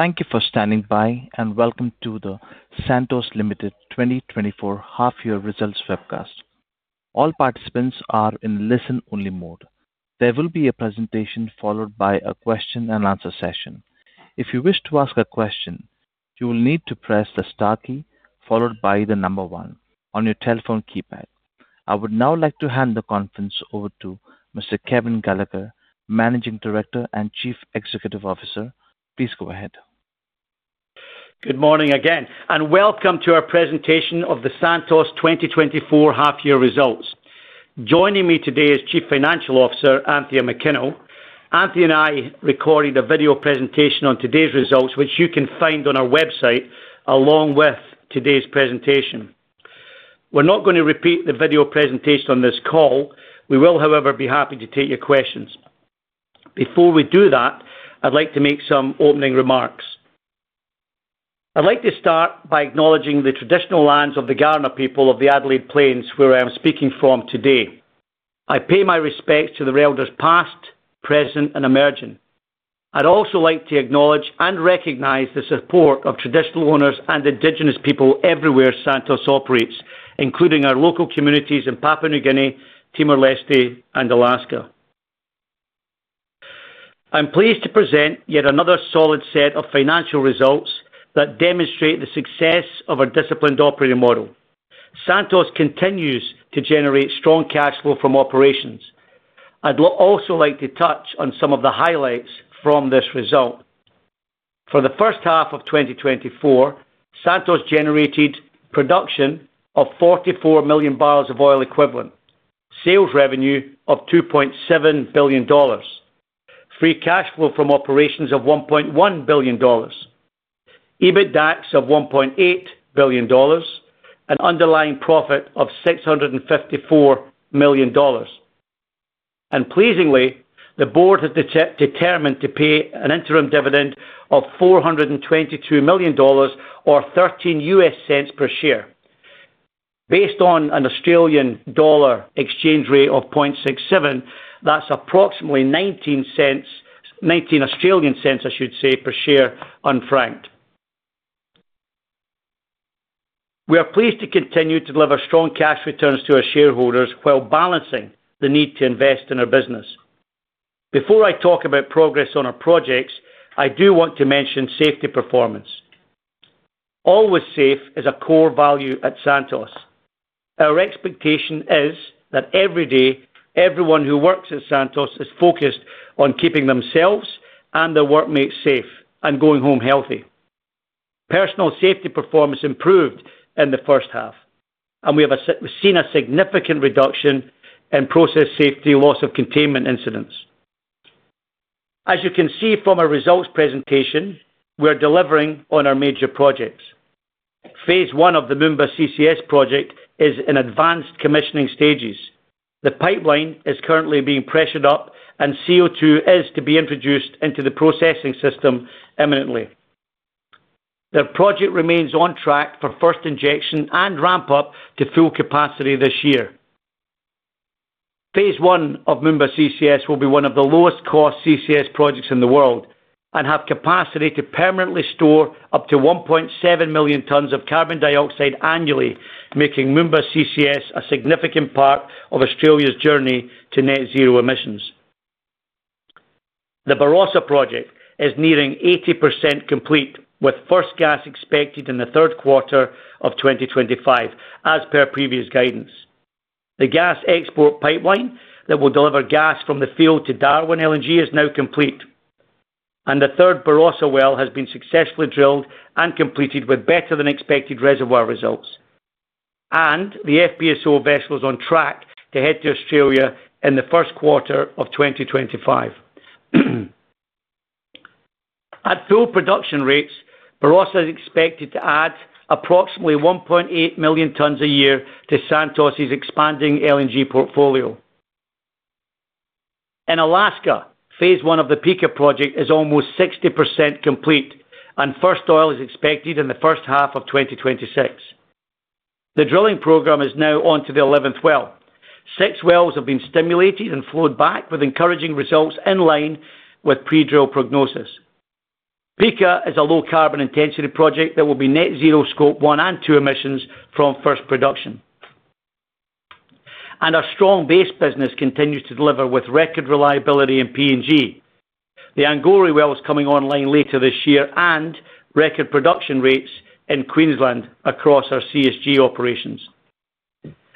Thank you for standing by, and welcome to the Santos Limited 2024 half-year results webcast. All participants are in listen-only mode. There will be a presentation followed by a question and answer session. If you wish to ask a question, you will need to press the star key followed by the number one on your telephone keypad. I would now like to hand the conference over to Mr. Kevin Gallagher, Managing Director and Chief Executive Officer. Please go ahead. Good morning again, and welcome to our presentation of the Santos 2024 half-year results. Joining me today is Chief Financial Officer, Anthea McKinnell. Anthea and I recorded a video presentation on today's results, which you can find on our website, along with today's presentation. We're not going to repeat the video presentation on this call. We will, however, be happy to take your questions. Before we do that, I'd like to make some opening remarks. I'd like to start by acknowledging the traditional lands of the Kaurna people of the Adelaide Plains, where I'm speaking from today. I pay my respects to the elders past, present, and emerging. I'd also like to acknowledge and recognize the support of Traditional Owners and Indigenous people everywhere Santos operates, including our local communities in Papua New Guinea, Timor-Leste, and Alaska. I'm pleased to present yet another solid set of financial results that demonstrate the success of our disciplined operating model. Santos continues to generate strong cash flow from operations. I'd also like to touch on some of the highlights from this result. For the first half of 2024, Santos generated production of 44 million bbl of oil equivalent, sales revenue of $2.7 billion, free cash flow from operations of $1.1 billion, EBITDA of $1.8 billion, and underlying profit of $654 million. Pleasingly, the board has determined to pay an interim dividend of $422 million or $0.13 per share. Based on an Australian dollar exchange rate of 0.67, that's approximately 0.19, 19 Australian cents, I should say, per share unfranked. We are pleased to continue to deliver strong cash returns to our shareholders while balancing the need to invest in our business. Before I talk about progress on our projects, I do want to mention safety performance. Always safe is a core value at Santos. Our expectation is that every day, everyone who works at Santos is focused on keeping themselves and their workmates safe and going home healthy. Personal safety performance improved in the first half, and we've seen a significant reduction in process safety, loss of containment incidents. As you can see from our results presentation, we are delivering on our major projects. Phase one of the Moomba CCS project is in advanced commissioning stages. The pipeline is currently being pressured up, and CO2 is to be introduced into the processing system imminently. The project remains on track for first injection and ramp up to full capacity this year. Phase one of Moomba CCS will be one of the lowest cost CCS projects in the world and have capacity to permanently store up to 1.7 million tons of carbon dioxide annually, making Moomba CCS a significant part of Australia's journey to net zero emissions. The Barossa project is nearing 80% complete, with first gas expected in the third quarter of 2025, as per previous guidance. The gas export pipeline that will deliver gas from the field to Darwin LNG is now complete, and the third Barossa well has been successfully drilled and completed with better than expected reservoir results. And the FPSO vessel is on track to head to Australia in the first quarter of 2025. At full production rates, Barossa is expected to add approximately 1.8 million tons a year to Santos's expanding LNG portfolio. In Alaska, phase one of the Pikka project is almost 60% complete, and first oil is expected in the first half of 2026. The drilling program is now on to the 11th well. Six wells have been stimulated and flowed back with encouraging results in line with pre-drill prognosis. Pikka is a low carbon intensity project that will be net zero Scope 1 and 2 emissions from first production, and our strong base business continues to deliver with record reliability in PNG. The Angore well is coming online later this year, and record production rates in Queensland across our CSG operations,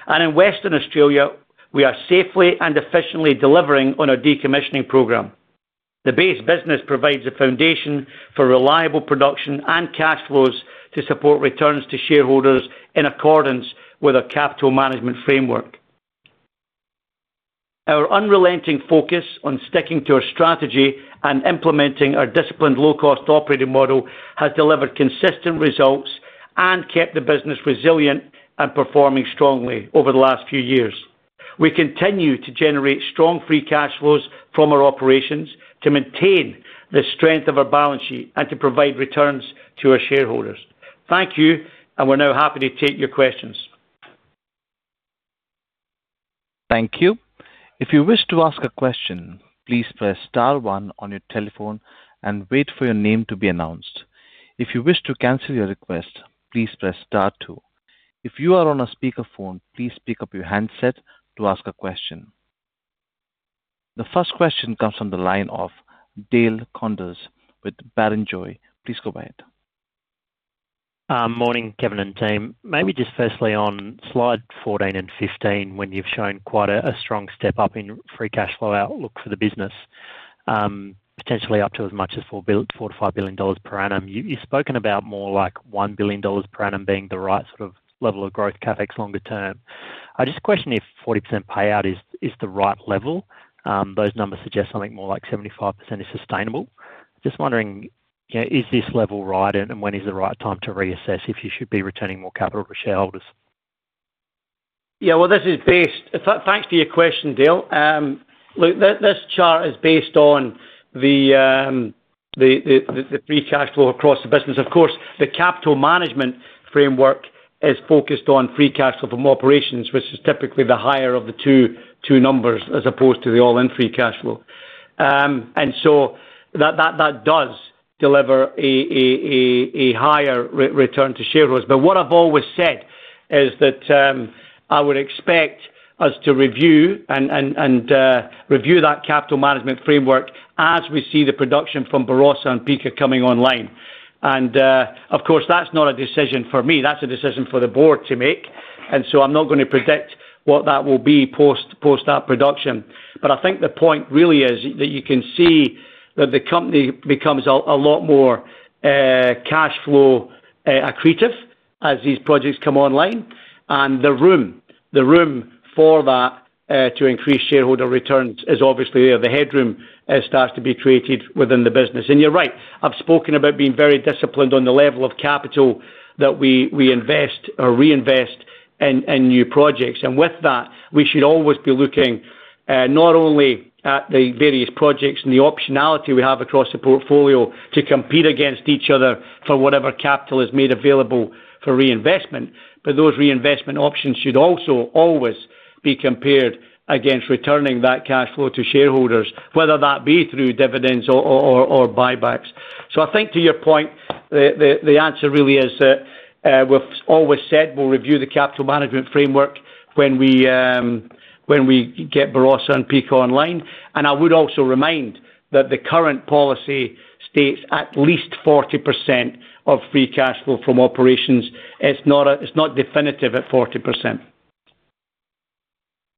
and in Western Australia, we are safely and efficiently delivering on our decommissioning program. The base business provides a foundation for reliable production and cash flows to support returns to shareholders in accordance with our Capital Management Framework. Our unrelenting focus on sticking to our strategy and implementing our disciplined low-cost operating model has delivered consistent results and kept the business resilient and performing strongly over the last few years. We continue to generate strong free cash flows from our operations to maintain the strength of our balance sheet and to provide returns to our shareholders. Thank you, and we're now happy to take your questions.... Thank you. If you wish to ask a question, please press star one on your telephone and wait for your name to be announced. If you wish to cancel your request, please press star two. If you are on a speakerphone, please pick up your handset to ask a question. The first question comes from the line of Dale Koenders with Barrenjoey. Please go ahead. Morning, Kevin and team. Maybe just firstly, on slide 14 and 15, when you've shown quite a strong step up in free cash flow outlook for the business, potentially up to as much as $4 billion-$5 billion per annum. You've spoken about more like $1 billion per annum being the right sort of level of growth CapEx longer term. I just question if 40% payout is the right level. Those numbers suggest something more like 75% is sustainable. Just wondering, you know, is this level right, and when is the right time to reassess if you should be returning more capital to shareholders? Yeah, well, this is based. Thanks to your question, Dale. Look, this chart is based on the free cash flow across the business. Of course, the Capital Management Framework is focused on free cash flow from operations, which is typically the higher of the two numbers, as opposed to the all-in free cash flow. And so that does deliver a higher return to shareholders. But what I've always said is that I would expect us to review and review that Capital Management Framework as we see the production from Barossa and Pikka coming online. And of course, that's not a decision for me, that's a decision for the board to make, and so I'm not gonna predict what that will be post that production. But I think the point really is that you can see that the company becomes a lot more cash flow accretive as these projects come online. And the room for that to increase shareholder returns is obviously there. The headroom starts to be created within the business. And you're right. I've spoken about being very disciplined on the level of capital that we invest or reinvest in new projects. And with that, we should always be looking not only at the various projects and the optionality we have across the portfolio to compete against each other for whatever capital is made available for reinvestment, but those reinvestment options should also always be compared against returning that cash flow to shareholders, whether that be through dividends or buybacks. I think, to your point, the answer really is that, we've always said we'll review the Capital Management Framework when we get Barossa and Pikka online. And I would also remind that the current policy states at least 40% of free cash flow from operations. It's not definitive at 40%.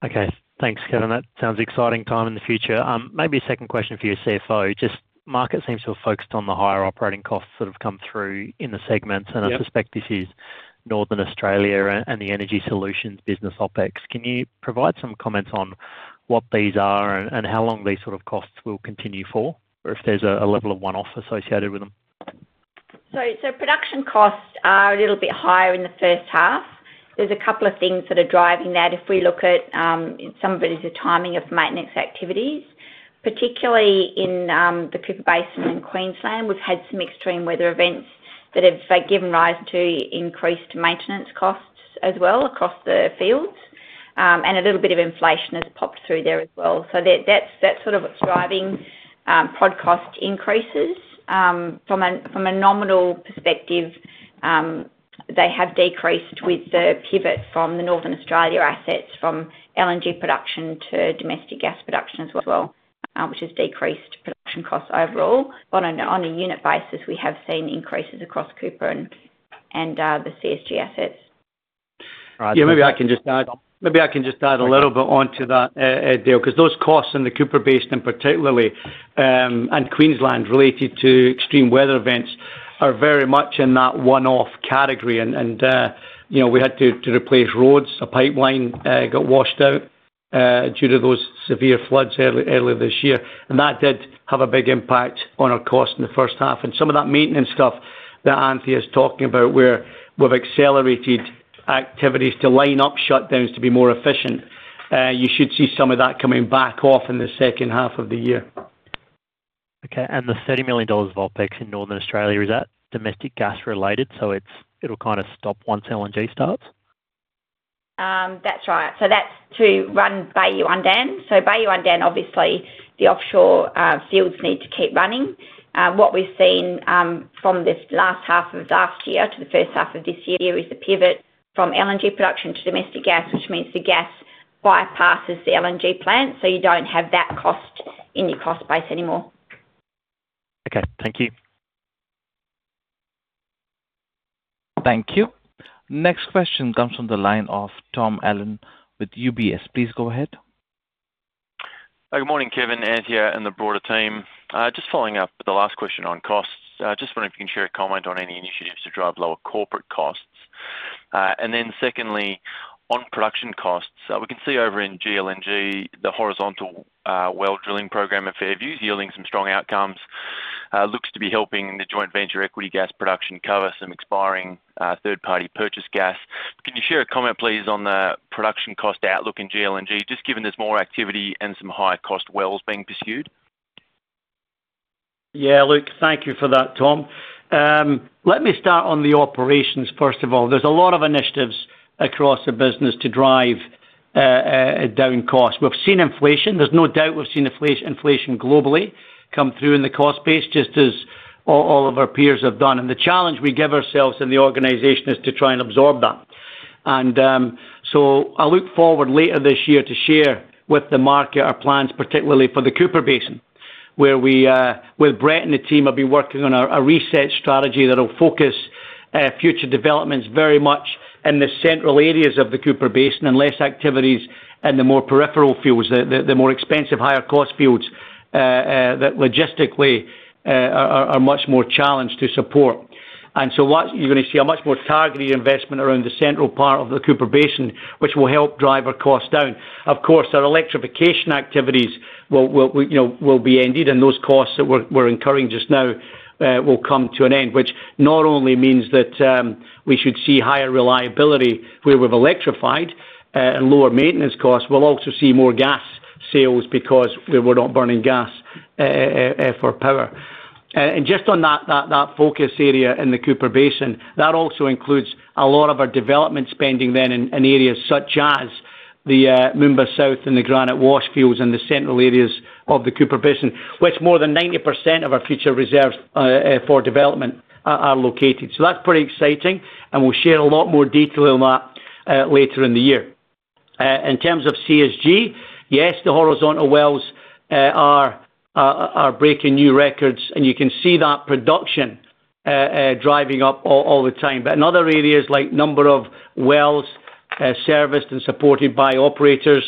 Okay. Thanks, Kevin. That sounds exciting time in the future. Maybe a second question for your CFO. Just market seems to have focused on the higher operating costs that have come through in the segments. Yeah. And I suspect this is Northern Australia and the energy solutions business OpEx. Can you provide some comments on what these are and how long these sort of costs will continue for, or if there's a level of one-off associated with them? Production costs are a little bit higher in the first half. There's a couple of things that are driving that. If we look at some of it is the timing of maintenance activities, particularly in the Cooper Basin in Queensland. We've had some extreme weather events that have given rise to increased maintenance costs as well across the fields, and a little bit of inflation has popped through there as well. So that's sort of driving production cost increases. From a nominal perspective, they have decreased with the pivot from the Northern Australia assets, from LNG production to domestic gas production as well, which has decreased production costs overall. But on a unit basis, we have seen increases across Cooper and the CSG assets. All right- Yeah, maybe I can just add a little bit onto that, Dale, because those costs in the Cooper Basin particularly, and Queensland related to extreme weather events are very much in that one-off category. You know, we had to replace roads. A pipeline got washed out due to those severe floods earlier this year, and that did have a big impact on our cost in the first half. Some of that maintenance stuff that Anthea is talking about, where we've accelerated activities to line up shutdowns to be more efficient, you should see some of that coming back off in the second half of the year. Okay, and the $30 million of OpEx in Northern Australia, is that domestic gas related, so it's, it'll kind of stop once LNG starts? That's right. So that's to run Bayu-Undan. So Bayu-Undan, obviously, the offshore fields need to keep running. What we've seen from this last half of last year to the first half of this year is the pivot from LNG production to domestic gas, which means the gas bypasses the LNG plant, so you don't have that cost in your cost base anymore. Okay. Thank you. Thank you. Next question comes from the line of Tom Allen with UBS. Please go ahead. Good morning, Kevin, Anthea, and the broader team. Just following up with the last question on costs, just wondering if you can share a comment on any initiatives to drive lower corporate costs. And then secondly, on production costs, we can see over in GLNG, the horizontal well drilling program at Fairview, yielding some strong outcomes, looks to be helping the joint venture equity gas production cover some expiring third-party purchase gas. Can you share a comment, please, on the production cost outlook in GLNG, just given there's more activity and some higher cost wells being pursued?... Yeah, look, thank you for that, Tom. Let me start on the operations first of all. There's a lot of initiatives across the business to drive down costs. We've seen inflation. There's no doubt we've seen inflation globally come through in the cost base, just as all of our peers have done, and the challenge we give ourselves in the organization is to try and absorb that. I look forward later this year to share with the market our plans, particularly for the Cooper Basin, where we with Brett and the team have been working on a reset strategy that'll focus future developments very much in the central areas of the Cooper Basin, and less activities in the more peripheral fields, the more expensive, higher-cost fields that logistically are much more challenged to support. And so you're gonna see a much more targeted investment around the central part of the Cooper Basin, which will help drive our costs down. Of course, our electrification activities will, we, you know, will be ended, and those costs that we're incurring just now will come to an end. Which not only means that, we should see higher reliability where we've electrified, and lower maintenance costs. We'll also see more gas sales because we're not burning gas for power. And just on that focus area in the Cooper Basin, that also includes a lot of our development spending then in areas such as the Moomba South and the Granite Wash fields in the central areas of the Cooper Basin, which more than 90% of our future reserves for development are located. So that's pretty exciting, and we'll share a lot more detail on that later in the year. In terms of CSG, yes, the horizontal wells are breaking new records, and you can see that production driving up all the time. But in other areas, like number of wells, serviced and supported by operators,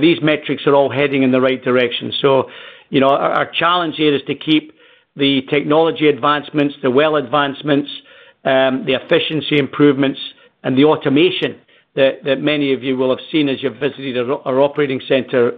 these metrics are all heading in the right direction. So, you know, our challenge here is to keep the technology advancements, the well advancements, the efficiency improvements and the automation that many of you will have seen as you've visited our operating center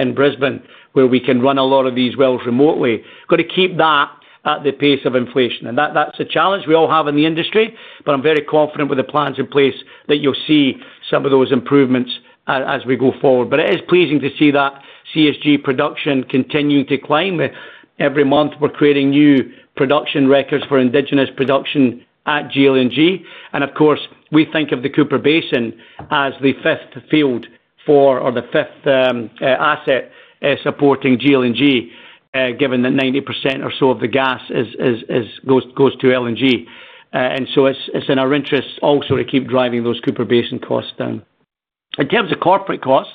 in Brisbane, where we can run a lot of these wells remotely. Gotta keep that at the pace of inflation. And that, that's a challenge we all have in the industry, but I'm very confident with the plans in place that you'll see some of those improvements as we go forward. But it is pleasing to see that CSG production continuing to climb. Every month, we're creating new production records for indigenous production at GLNG. Of course, we think of the Cooper Basin as the fifth field or the fifth asset supporting GLNG, given that 90% or so of the gas goes to LNG. So it's in our interest also to keep driving those Cooper Basin costs down. In terms of corporate costs,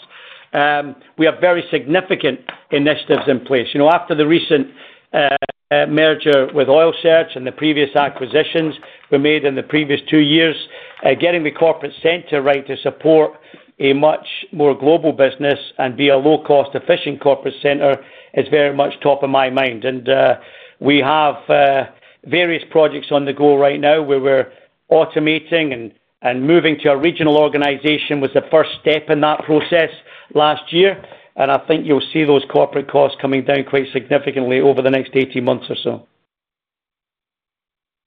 we have very significant initiatives in place. You know, after the recent merger with Oil Search and the previous acquisitions we made in the previous two years, getting the corporate center right to support a much more global business and be a low-cost, efficient corporate center is very much top of my mind. We have various projects on the go right now, where we're automating and moving to a regional organization was the first step in that process last year. I think you'll see those corporate costs coming down quite significantly over the next 18 months or so.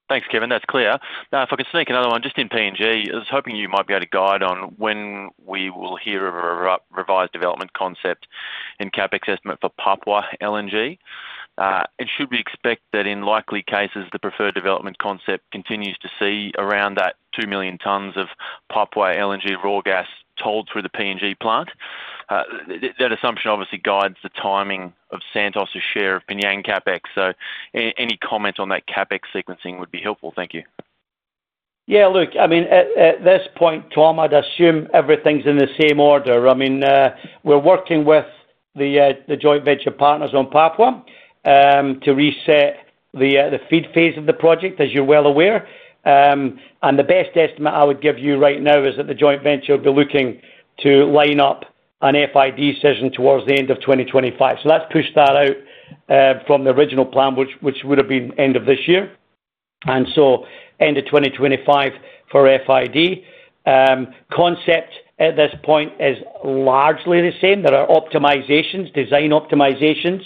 Thanks, Kevin. That's clear. Now, if I could sneak another one, just in PNG, I was hoping you might be able to guide on when we will hear a revised development concept and CapEx estimate for Papua LNG, and should we expect that in likely cases, the preferred development concept continues to see around that two million tons of Papua LNG raw gas tolled through the PNG plant? That assumption obviously guides the timing of Santos' share of PNG CapEx, so any comment on that CapEx sequencing would be helpful. Thank you. Yeah, look, I mean, at this point, Tom, I'd assume everything's in the same order. I mean, we're working with the joint venture partners on Papua to reset the FEED phase of the project, as you're well aware. The best estimate I would give you right now is that the joint venture will be looking to line up an FID decision towards the end of 2025. That's pushed that out from the original plan, which would have been end of this year, and so end of 2025 for FID. Concept at this point is largely the same. There are optimizations, design optimizations,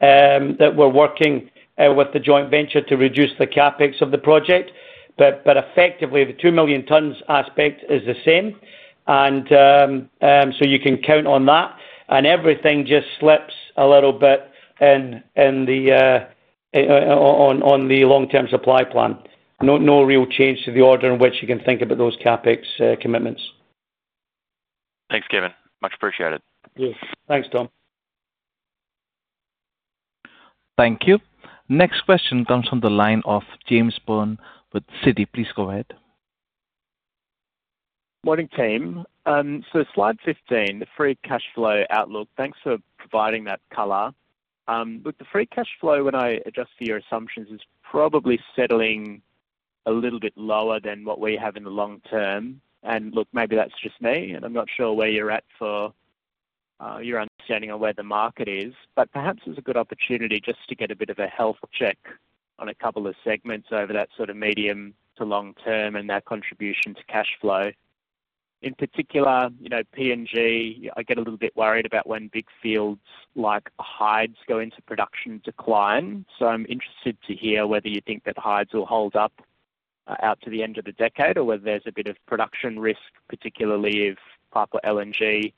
that we're working with the joint venture to reduce the CapEx of the project. But, but effectively, the two million tons aspect is the same, and so you can count on that. And everything just slips a little bit on the long-term supply plan. No, no real change to the order in which you can think about those CapEx commitments. Thanks, Kevin. Much appreciated. Yeah. Thanks, Tom. Thank you. Next question comes from the line of James Byrne with Citi. Please go ahead. Morning, team, so Slide 15, the free cash flow outlook, thanks for providing that color. With the free cash flow, when I adjust for your assumptions, it's probably settling a little bit lower than what we have in the long term, and look, maybe that's just me, and I'm not sure where you're at for your understanding of where the market is, but perhaps it's a good opportunity just to get a bit of a health check on a couple of segments over that sort of medium to long term and their contribution to cash flow. In particular, you know, PNG, I get a little bit worried about when big fields like Hides go into production decline, so I'm interested to hear whether you think that Hides will hold up? Out to the end of the decade, or whether there's a bit of production risk, particularly if Papua LNG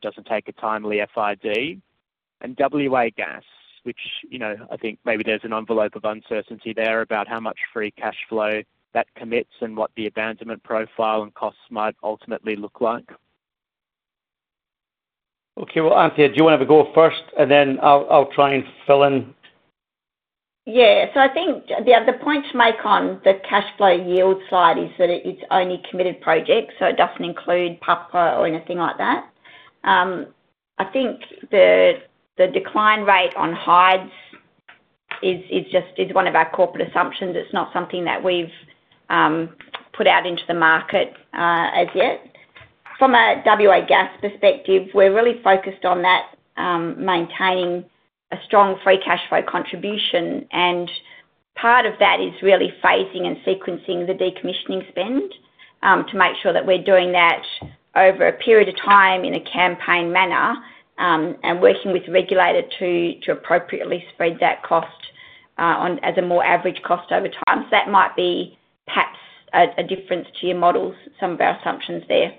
doesn't take a timely FID? And WA Gas, which, you know, I think maybe there's an envelope of uncertainty there about how much free cash flow that commits and what the abandonment profile and costs might ultimately look like. Okay, well, Anthea, do you wanna have a go first, and then I'll try and fill in? Yeah. So I think the point to make on the cash flow yield side is that it- it's only committed projects, so it doesn't include Papua or anything like that. I think the decline rate on Hides is just one of our corporate assumptions. It's not something that we've put out into the market as yet. From a WA Gas perspective, we're really focused on that maintaining a strong free cash flow contribution, and part of that is really phasing and sequencing the decommissioning spend to make sure that we're doing that over a period of time in a campaign manner, and working with the regulator to appropriately spread that cost on as a more average cost over time. So that might be perhaps a difference to your models, some of our assumptions there.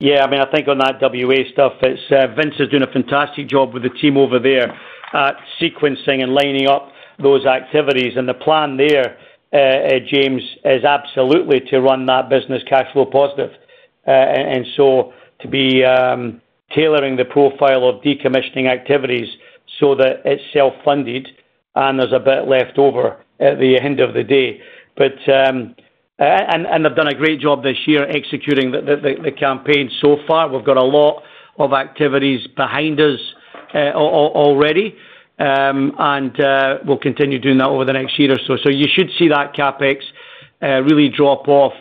Yeah, I mean, I think on that WA stuff, it's Vince is doing a fantastic job with the team over there at sequencing and lining up those activities. And the plan there, James, is absolutely to run that business cash flow positive. And so to be tailoring the profile of decommissioning activities so that it's self-funded and there's a bit left over at the end of the day. But, and they've done a great job this year executing the campaign so far. We've got a lot of activities behind us already, and we'll continue doing that over the next year or so. So you should see that CapEx really drop off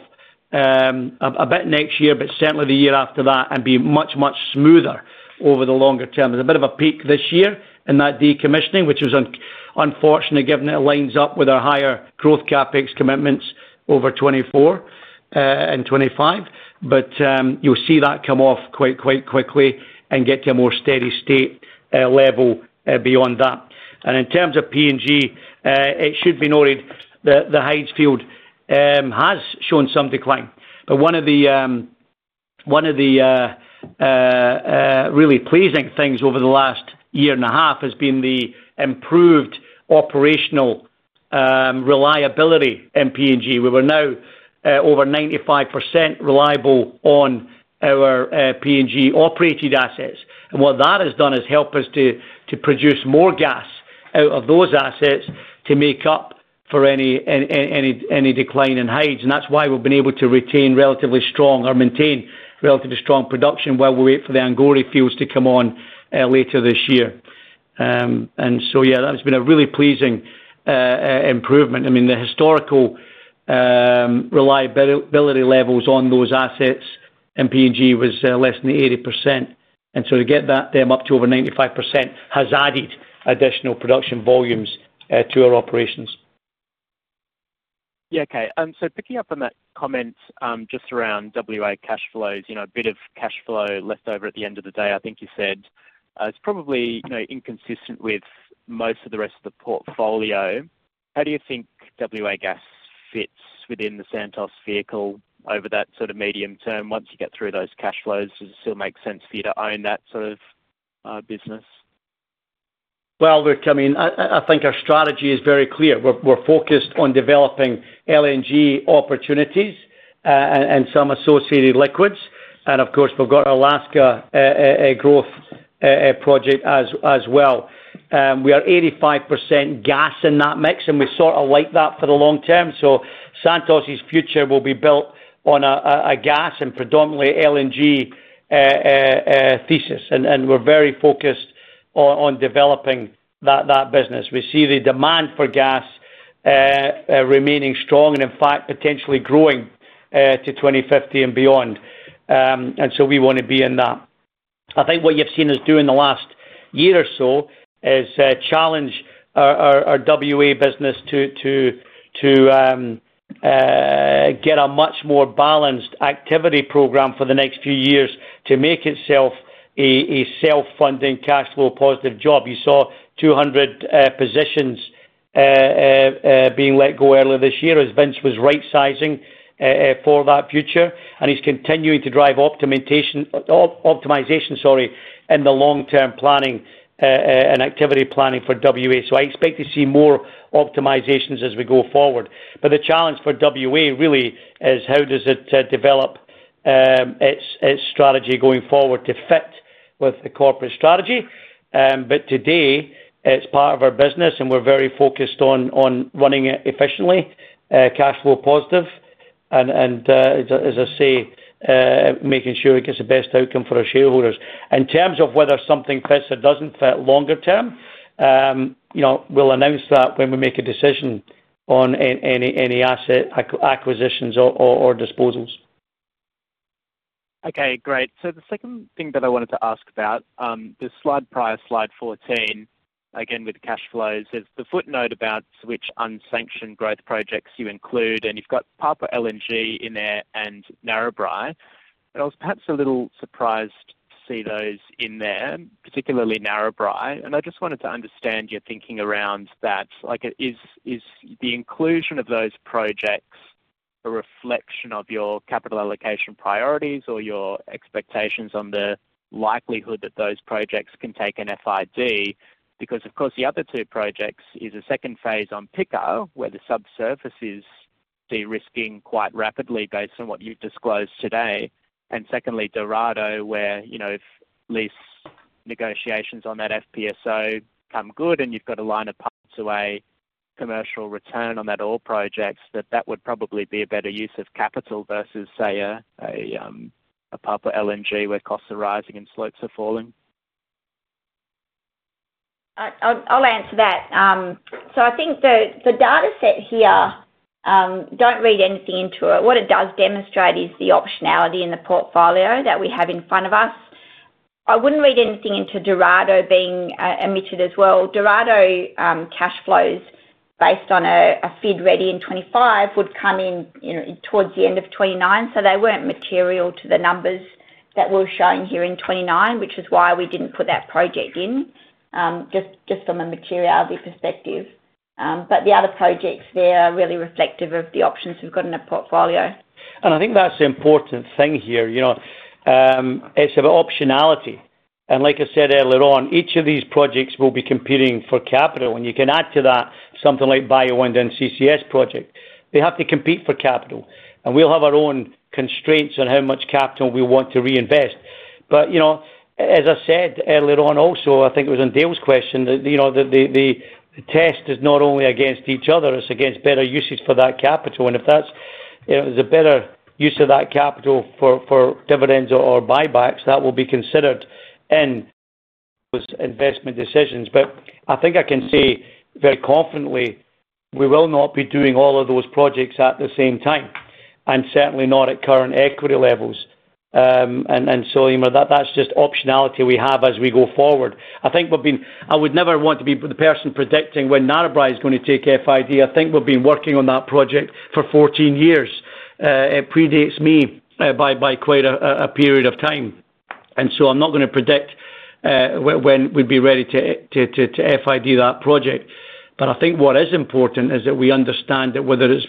a bit next year, but certainly the year after that, and be much, much smoother over the longer term. There's a bit of a peak this year in that decommissioning, which is unfortunately given it lines up with our higher growth CapEx commitments over 2024 and 2025, but you'll see that come off quite quickly and get to a more steady state level beyond that. In terms of PNG, it should be noted that the Hides field has shown some decline, but one of the really pleasing things over the last year and a half has been the improved operational reliability in PNG. We were now over 95% reliable on our PNG-operated assets, and what that has done is help us to produce more gas out of those assets to make up for any decline in Hides. And that's why we've been able to retain relatively strong or maintain relatively strong production while we wait for the Angore fields to come on later this year. And so yeah, that's been a really pleasing improvement. I mean, the historical reliability levels on those assets in PNG was less than 80%. And so to get that, them up to over 95% has added additional production volumes to our operations. Yeah, okay. So picking up on that comment, just around WA cash flows, you know, a bit of cash flow left over at the end of the day, I think you said. It's probably, you know, inconsistent with most of the rest of the portfolio. How do you think WA Gas fits within the Santos vehicle over that sort of medium term? Once you get through those cash flows, does it still make sense for you to own that sort of business? Look, I mean, I think our strategy is very clear. We're focused on developing LNG opportunities, and some associated liquids. Of course, we've got Alaska, a growth project as well. We are 85% gas in that mix, and we sort of like that for the long term. Santos' future will be built on a gas and predominantly LNG thesis. We're very focused on developing that business. We see the demand for gas remaining strong, and in fact, potentially growing to 2050 and beyond. We wanna be in that. I think what you've seen us do in the last year or so is challenge our WA business to get a much more balanced activity program for the next few years to make itself a self-funding, cash flow positive job. You saw 200 being let go earlier this year as Vince was rightsizing for that future, and he's continuing to drive optimization, sorry, in the long-term planning and activity planning for WA. So I expect to see more optimizations as we go forward. But the challenge for WA really is how does it develop its strategy going forward to fit with the corporate strategy? But today, it's part of our business, and we're very focused on running it efficiently, cash flow positive, and as I say, making sure it gets the best outcome for our shareholders. In terms of whether something fits or doesn't fit longer term, you know, we'll announce that when we make a decision on any asset acquisitions or disposals. Okay, great. So the second thing that I wanted to ask about, the slide prior, slide 14, again, with cash flows. There's the footnote about which unsanctioned growth projects you include, and you've got Papua LNG in there and Narrabri. But I was perhaps a little surprised to see those in there, particularly Narrabri, and I just wanted to understand your thinking around that. Like, is the inclusion of those projects a reflection of your capital allocation priorities or your expectations on the likelihood that those projects can take an FID? Because, of course, the other two projects is a second phase on Pikka, where the subsurface is de-risking quite rapidly based on what you've disclosed today. Secondly, Dorado, where, you know, if lease negotiations on that FPSO come good, and you've got a line of sight to a commercial return on that oil projects, that would probably be a better use of capital versus, say, a Papua LNG, where costs are rising and slopes are falling. I'll answer that. So I think the dataset here, don't read anything into it. What it does demonstrate is the optionality in the portfolio that we have in front of us. I wouldn't read anything into Dorado being omitted as well. Dorado cash flows based on a FID ready in 2025 would come in, you know, towards the end of 2029, so they weren't material to the numbers that we're showing here in 2029, which is why we didn't put that project in, just from a materiality perspective. But the other projects, they are really reflective of the options we've got in the portfolio. And I think that's the important thing here, you know. It's about optionality. And like I said earlier on, each of these projects will be competing for capital. When you can add to that something like Bayu-Undan CCS project, they have to compete for capital, and we'll have our own constraints on how much capital we want to reinvest. But, you know, as I said earlier on, also, I think it was in Dale's question, that, you know, that the test is not only against each other, it's against better usage for that capital. And if that's, you know, the better use of that capital for dividends or buybacks, that will be considered in those investment decisions. But I think I can say very confidently, we will not be doing all of those projects at the same time, and certainly not at current equity levels. And so, you know, that's just optionality we have as we go forward. I think we've been. I would never want to be the person predicting when Narrabri is gonna take FID. I think we've been working on that project for 14 years. It predates me by quite a period of time, and so I'm not gonna predict when we'd be ready to FID that project. But I think what is important is that we understand that whether it's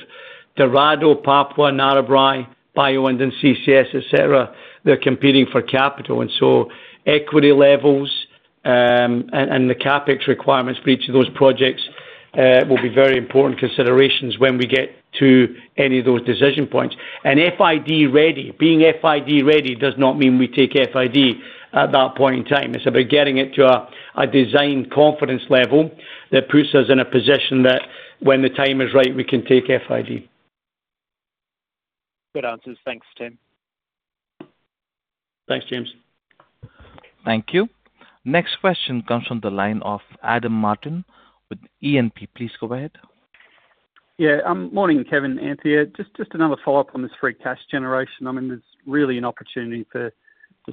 Dorado, Papua, Narrabri, Bayu-Undan and CCS, et cetera, they're competing for capital. And so equity levels, and the CapEx requirements for each of those projects, will be very important considerations when we get to any of those decision points. And FID ready, being FID ready does not mean we take FID at that point in time. It's about getting it to a design confidence level that puts us in a position that when the time is right, we can take FID. Good answers. Thanks, Kevin. Thanks, James. Thank you. Next question comes from the line of Adam Martin with E&P. Please go ahead. Yeah, morning, Kevin and Anthea. Just another follow-up on this free cash generation. I mean, there's really an opportunity for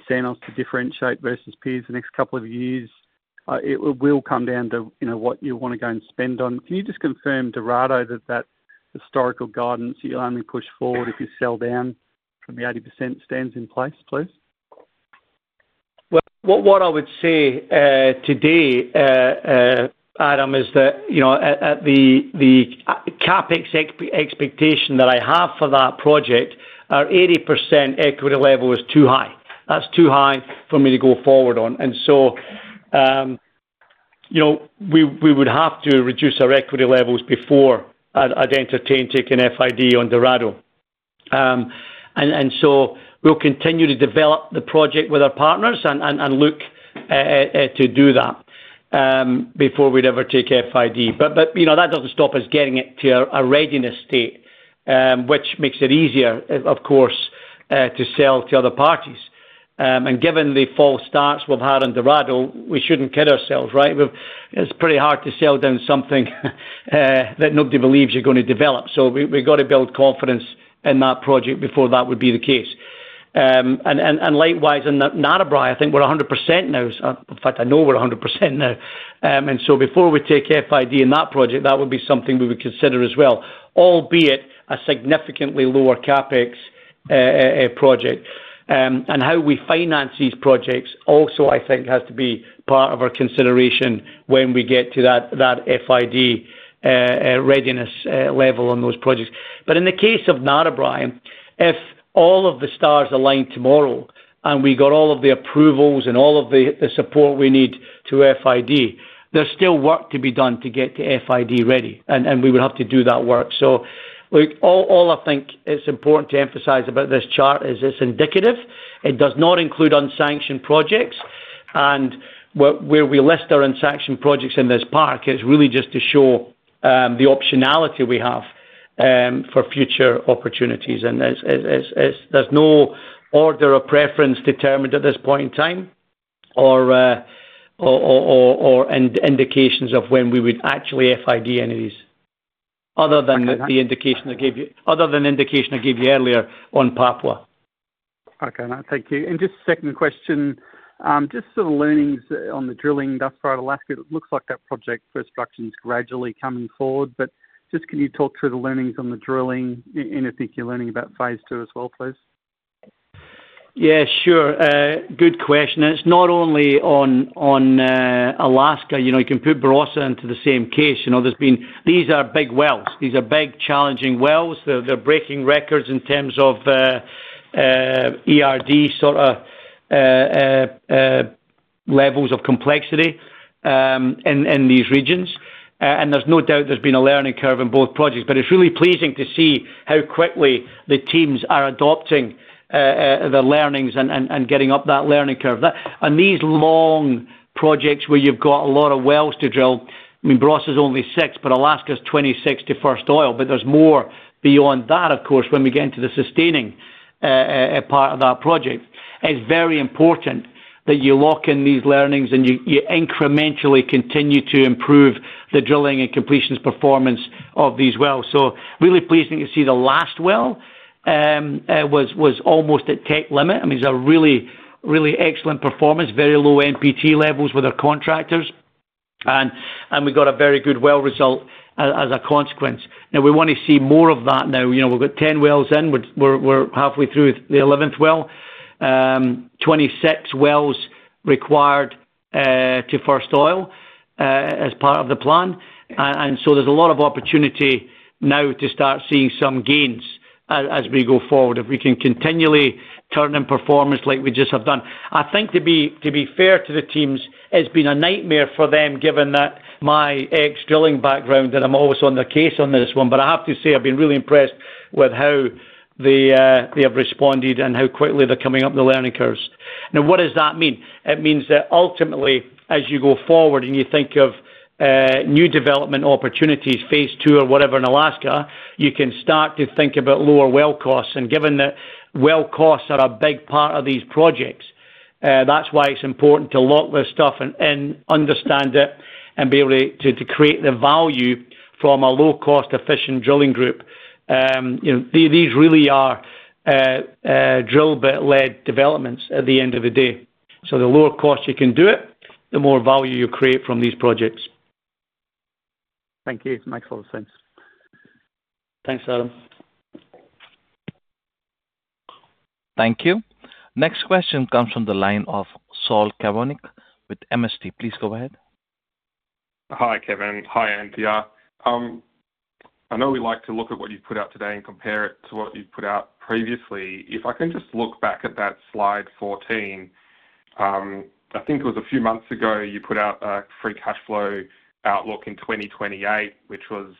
Santos to differentiate versus peers the next couple of years. It will come down to, you know, what you want to go and spend on. Can you just confirm, Dorado, that historical guidance, you'll only push forward if you sell down from the 80% stands in place, please? What I would say, Adam, is that, you know, at the CapEx expectation that I have for that project, our 80% equity level is too high. That's too high for me to go forward on. So, you know, we would have to reduce our equity levels before I'd entertain taking FID on Dorado. And so we'll continue to develop the project with our partners and look to do that before we'd ever take FID. But you know, that doesn't stop us getting it to a readiness state, which makes it easier, of course, to sell to other parties. And given the false starts we've had on Dorado, we shouldn't kid ourselves, right? It's pretty hard to sell down something that nobody believes you're gonna develop. So we've got to build confidence in that project before that would be the case. And likewise, in Narrabri, I think we're 100% now. In fact, I know we're 100% now. And so before we take FID in that project, that would be something we would consider as well, albeit a significantly lower CapEx project. And how we finance these projects also, I think, has to be part of our consideration when we get to that FID readiness level on those projects. But in the case of Narrabri, if all of the stars align tomorrow, and we got all of the approvals and all of the support we need to FID, there's still work to be done to get to FID ready, and we would have to do that work. So look, all I think it's important to emphasize about this chart is it's indicative. It does not include unsanctioned projects, and where we list our unsanctioned projects in this part, is really just to show the optionality we have for future opportunities. And there's no order or preference determined at this point in time or indications of when we would actually FID any of these, other than the indication I gave you earlier on Papua. Okay, mate. Thank you. And just a second question, just sort of learnings on the drilling thus far at Alaska. It looks like that Pikka project is gradually coming forward, but just can you talk through the learnings on the drilling and anything you're learning about phase two as well, please? ... Yeah, sure. Good question, and it's not only on Alaska, you know. You can put Barossa into the same case. You know, there's been. These are big wells. These are big, challenging wells. They're breaking records in terms of ERD, sorta, levels of complexity in these regions. And there's no doubt there's been a learning curve in both projects, but it's really pleasing to see how quickly the teams are adopting the learnings and getting up that learning curve. That. On these long projects where you've got a lot of wells to drill, I mean, Barossa is only six, but Alaska's 26 to first oil, but there's more beyond that, of course, when we get into the sustaining part of that project. It's very important that you lock in these learnings and you incrementally continue to improve the drilling and completions performance of these wells. So really pleasing to see the last well was almost at tech limit. I mean, it's a really, really excellent performance, very low NPT levels with our contractors, and we got a very good well result as a consequence. Now, we want to see more of that now. You know, we've got ten wells in. We're halfway through the eleventh well. 26 wells required to first oil as part of the plan. And so there's a lot of opportunity now to start seeing some gains as we go forward, if we can continually turn in performance like we just have done. I think to be fair to the teams, it's been a nightmare for them, given that my extensive drilling background, that I'm always on the case on this one. But I have to say, I've been really impressed with how they have responded and how quickly they're coming up the learning curves. Now, what does that mean? It means that ultimately, as you go forward and you think of new development opportunities, phase two or whatever in Alaska, you can start to think about lower well costs. And given that well costs are a big part of these projects, that's why it's important to lock this stuff and understand it and be able to create the value from a low-cost, efficient drilling group. You know, these really are drill bit-led developments at the end of the day. So the lower cost you can do it, the more value you create from these projects. Thank you. Makes a lot of sense. Thanks, Adam. Thank you. Next question comes from the line of Saul Kavonic with MST. Please go ahead. Hi, Kevin. Hi, Anthea. I know we like to look at what you've put out today and compare it to what you've put out previously. If I can just look back at that slide 14, I think it was a few months ago, you put out a free cash flow outlook in 2028, which was,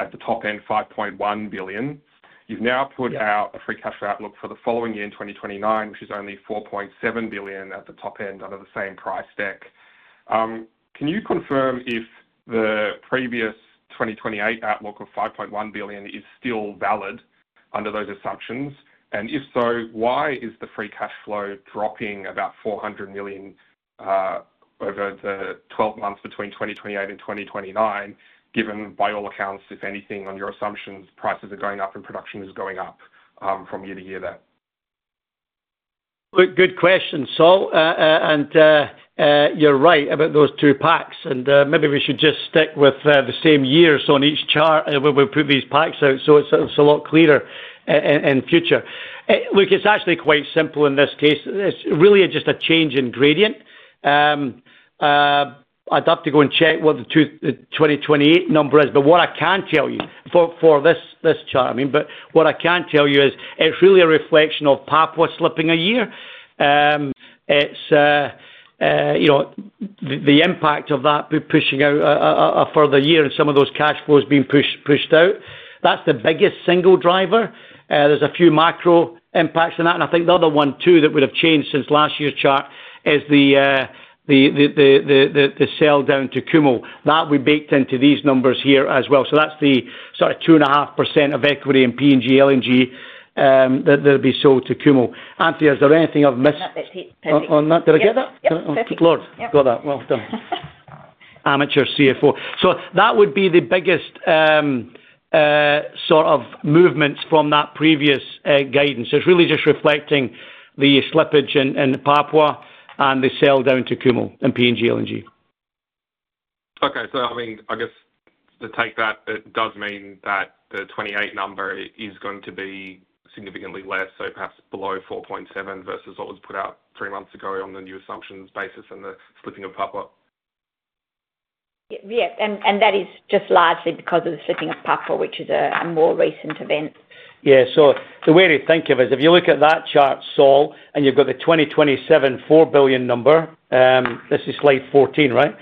at the top end, $5.1 billion. You've now put out a free cash flow outlook for the following year, in 2029, which is only $4.7 billion at the top end under the same price deck. Can you confirm if the previous 2028 outlook of $5.1 billion is still valid under those assumptions? And if so, why is the free cash flow dropping about $400 million over the 12 months between 2028 and 2029, given by all accounts, if anything, on your assumptions, prices are going up and production is going up from year to year then? Good, good question, Saul. You're right about those two packs, and maybe we should just stick with the same years on each chart when we put these packs out, so it's a lot clearer in future. Look, it's actually quite simple in this case. It's really just a change in gradient. I'd have to go and check what the 2028 number is, but what I can tell you for this chart, I mean, but what I can tell you is it's really a reflection of Papua slipping a year. It's you know the impact of that being pushing out a further year and some of those cash flows being pushed out. That's the biggest single driver. There's a few macro impacts on that, and I think the other one, too, that would have changed since last year's chart is the sell down to Kumul. That will be baked into these numbers here as well. So that's the sort of 2.5% of equity in PNG LNG, that'll be sold to Kumul. Anthea, is there anything I've missed? No, that's it. Perfect. -on that? Did I get that? Yep. Yep. Perfect. Lord, got that. Well done. Amateur CFO. So that would be the biggest, sort of movements from that previous, guidance. So it's really just reflecting the slippage in Papua and the sell down to Kumul and PNG LNG. I mean, I guess to take that, it does mean that the 28 number is going to be significantly less, so perhaps below 4.7 versus what was put out three months ago on the new assumptions basis and the slipping of Papua. Yes, and that is just largely because of the slipping of Papua, which is a more recent event. Yeah, so the way to think of it is, if you look at that chart, Saul, and you've got the 2027, $4 billion number, this is slide 14, right?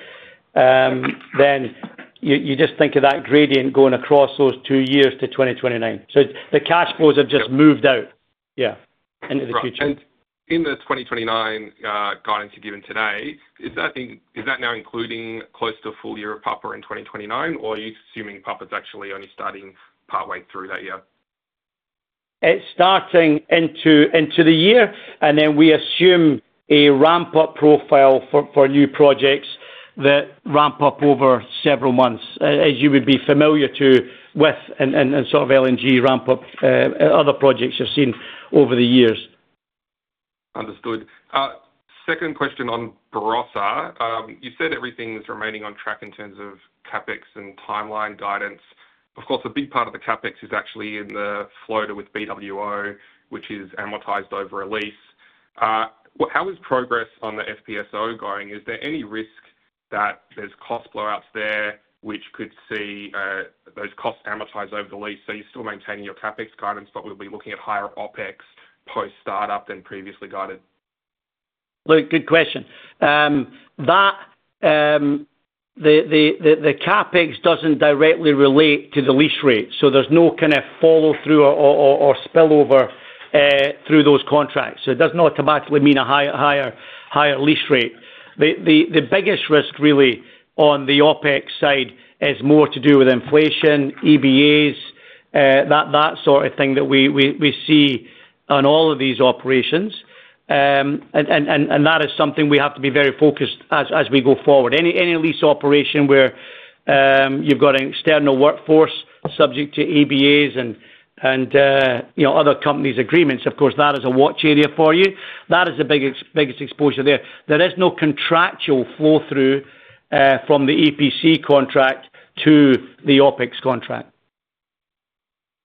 Then you just think of that gradient going across those two years to 2029, so the cash flows have just moved out- Yep. Yeah, into the future. Right. And in the 2029 guidance you've given today, is that now including close to a full year of Papua in 2029, or are you assuming Papua's actually only starting partway through that year? It's starting into the year, and then we assume a ramp-up profile for new projects that ramp up over several months, as you would be familiar with and sort of LNG ramp-up, other projects you've seen over the years.... Understood. Second question on Barossa. You said everything is remaining on track in terms of CapEx and timeline guidance. Of course, a big part of the CapEx is actually in the floater with BWO, which is amortized over a lease. How is progress on the FPSO going? Is there any risk that there's cost blowouts there, which could see those costs amortized over the lease, so you're still maintaining your CapEx guidance, but we'll be looking at higher OpEx post-startup than previously guided? Look, good question. That the CapEx doesn't directly relate to the lease rate, so there's no kind of follow-through or spillover through those contracts. So it does not automatically mean a higher lease rate. The biggest risk really on the OpEx side is more to do with inflation, EBAs, that sort of thing that we see on all of these operations. And that is something we have to be very focused as we go forward. Any lease operation where you've got an external workforce subject to EBAs and you know, other companies' agreements, of course, that is a watch area for you. That is the biggest exposure there. There is no contractual flow-through from the EPC contract to the OpEx contract.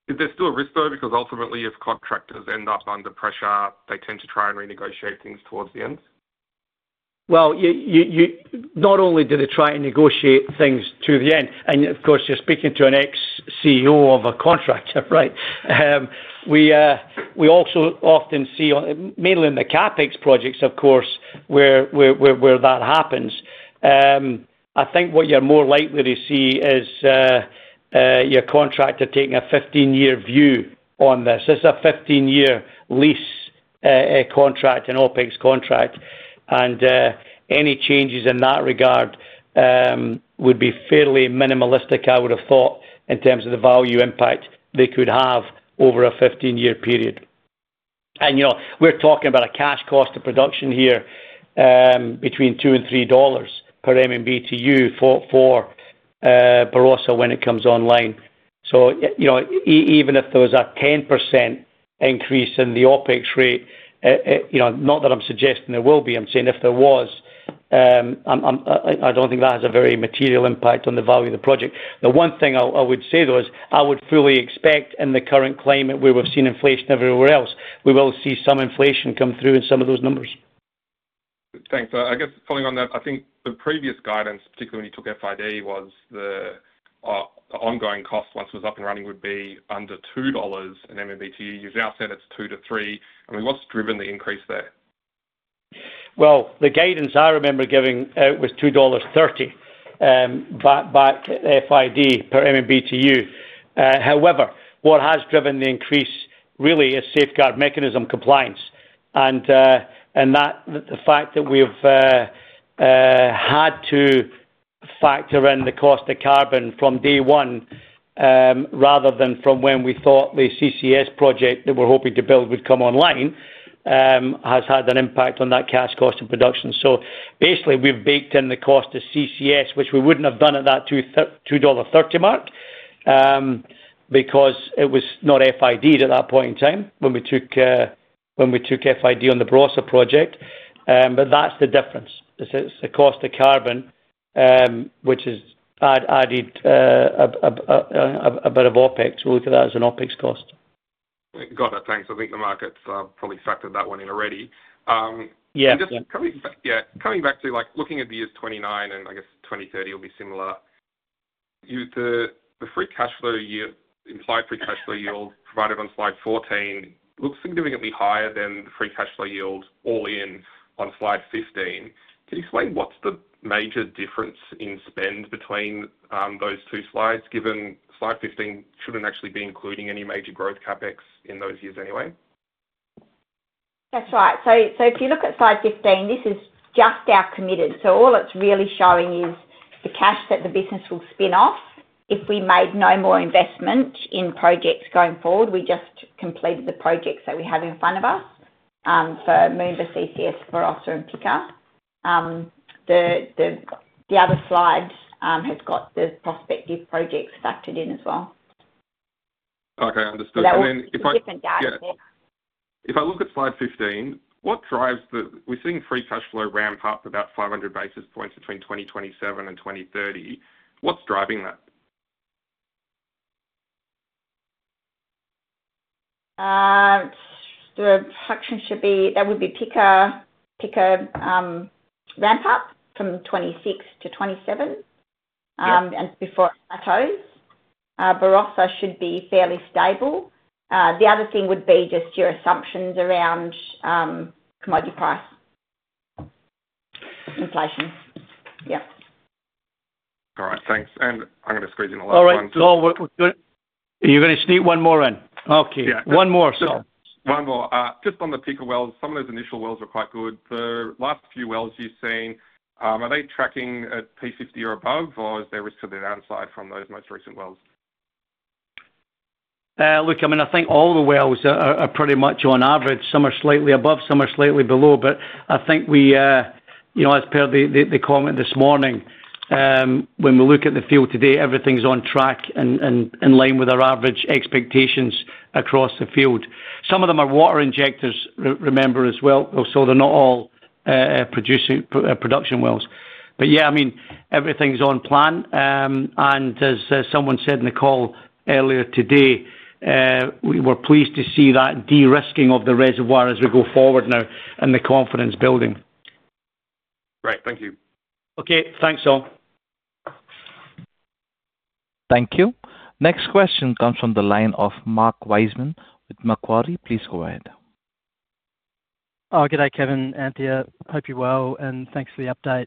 Is there still a risk, though, because ultimately if contractors end up under pressure, they tend to try and renegotiate things towards the end? Not only do they try and negotiate things to the end, and of course, you're speaking to an ex-CEO of a contractor, right? We also often see, mainly in the CapEx projects, of course, where that happens. I think what you're more likely to see is your contractor taking a 15-year view on this. This is a 15-year lease, contract, an OpEx contract, and any changes in that regard would be fairly minimalistic, I would have thought, in terms of the value impact they could have over a 15-year period. And, you know, we're talking about a cash cost of production here, between $2 and $3 per MMBtu for Barossa when it comes online. So, you know, even if there was a 10% increase in the OpEx rate, you know, not that I'm suggesting there will be, I'm saying if there was, I don't think that has a very material impact on the value of the project. The one thing I would say, though, is I would fully expect in the current climate, where we've seen inflation everywhere else, we will see some inflation come through in some of those numbers. Thanks. I guess following on that, I think the previous guidance, particularly when you took FID, was the ongoing cost, once it was up and running, would be under $2/MMBtu. You've now said it's $2-$3. I mean, what's driven the increase there? The guidance I remember giving was $2.30 back at FID per MMBtu. However, what has driven the increase really is Safeguard Mechanism compliance. And that, the fact that we've had to factor in the cost of carbon from day one rather than from when we thought the CCS project that we're hoping to build would come online has had an impact on that cash cost of production. Basically, we've baked in the cost of CCS, which we wouldn't have done at that $2.30 mark because it was not FID-ed at that point in time when we took FID on the Barossa project. But that's the difference. It's the cost of carbon which has added a bit of OpEx. We look at that as an OpEx cost. Got it, thanks. I think the market's probably factored that one in already. Yeah. Just coming back. Yeah, coming back to, like, looking at the years 2029, and I guess 2030 will be similar. The implied free cash flow yield provided on slide 14 looks significantly higher than the free cash flow yield all in on slide 15. Can you explain what's the major difference in spend between those two slides, given slide 15 shouldn't actually be including any major growth CapEx in those years anyway? That's right. So if you look at slide 15, this is just our committed. So all it's really showing is the cash that the business will spin off. If we made no more investment in projects going forward, we just completed the projects that we have in front of us, for Moomba CCS, Barossa, and Pikka. The other slides have got the prospective projects factored in as well. Okay, understood. Different data set. If I look at slide 15, we're seeing free cash flow ramp up about 500 basis points between 2027 and 2030. What's driving that? The production should be that would be Pikka ramp up from 2026 to 2027 and before it plateaus. Barossa should be fairly stable. The other thing would be just your assumptions around commodity price. Inflation. All right, thanks. And I'm gonna squeeze in the last one. All right. No, we're good. You're gonna sneak one more in? Okay. Yeah. One more, so. One more. Just on the Pikka wells, some of those initial wells were quite good. The last few wells you've seen, are they tracking at P50 or above, or is there risk to the downside from those most recent wells? Look, I mean, I think all the wells are pretty much on average. Some are slightly above, some are slightly below, but I think we, you know, as per the comment this morning, when we look at the field today, everything's on track and in line with our average expectations across the field. Some of them are water injectors, remember as well, so they're not all production wells. But yeah, I mean, everything's on plan. And as someone said in the call earlier today, we were pleased to see that de-risking of the reservoir as we go forward now and the confidence building. Great. Thank you. Okay, thanks, all. Thank you. Next question comes from the line of Mark Wiseman with Macquarie. Please go ahead. Oh, good day, Kevin, Anthea. Hope you're well, and thanks for the update.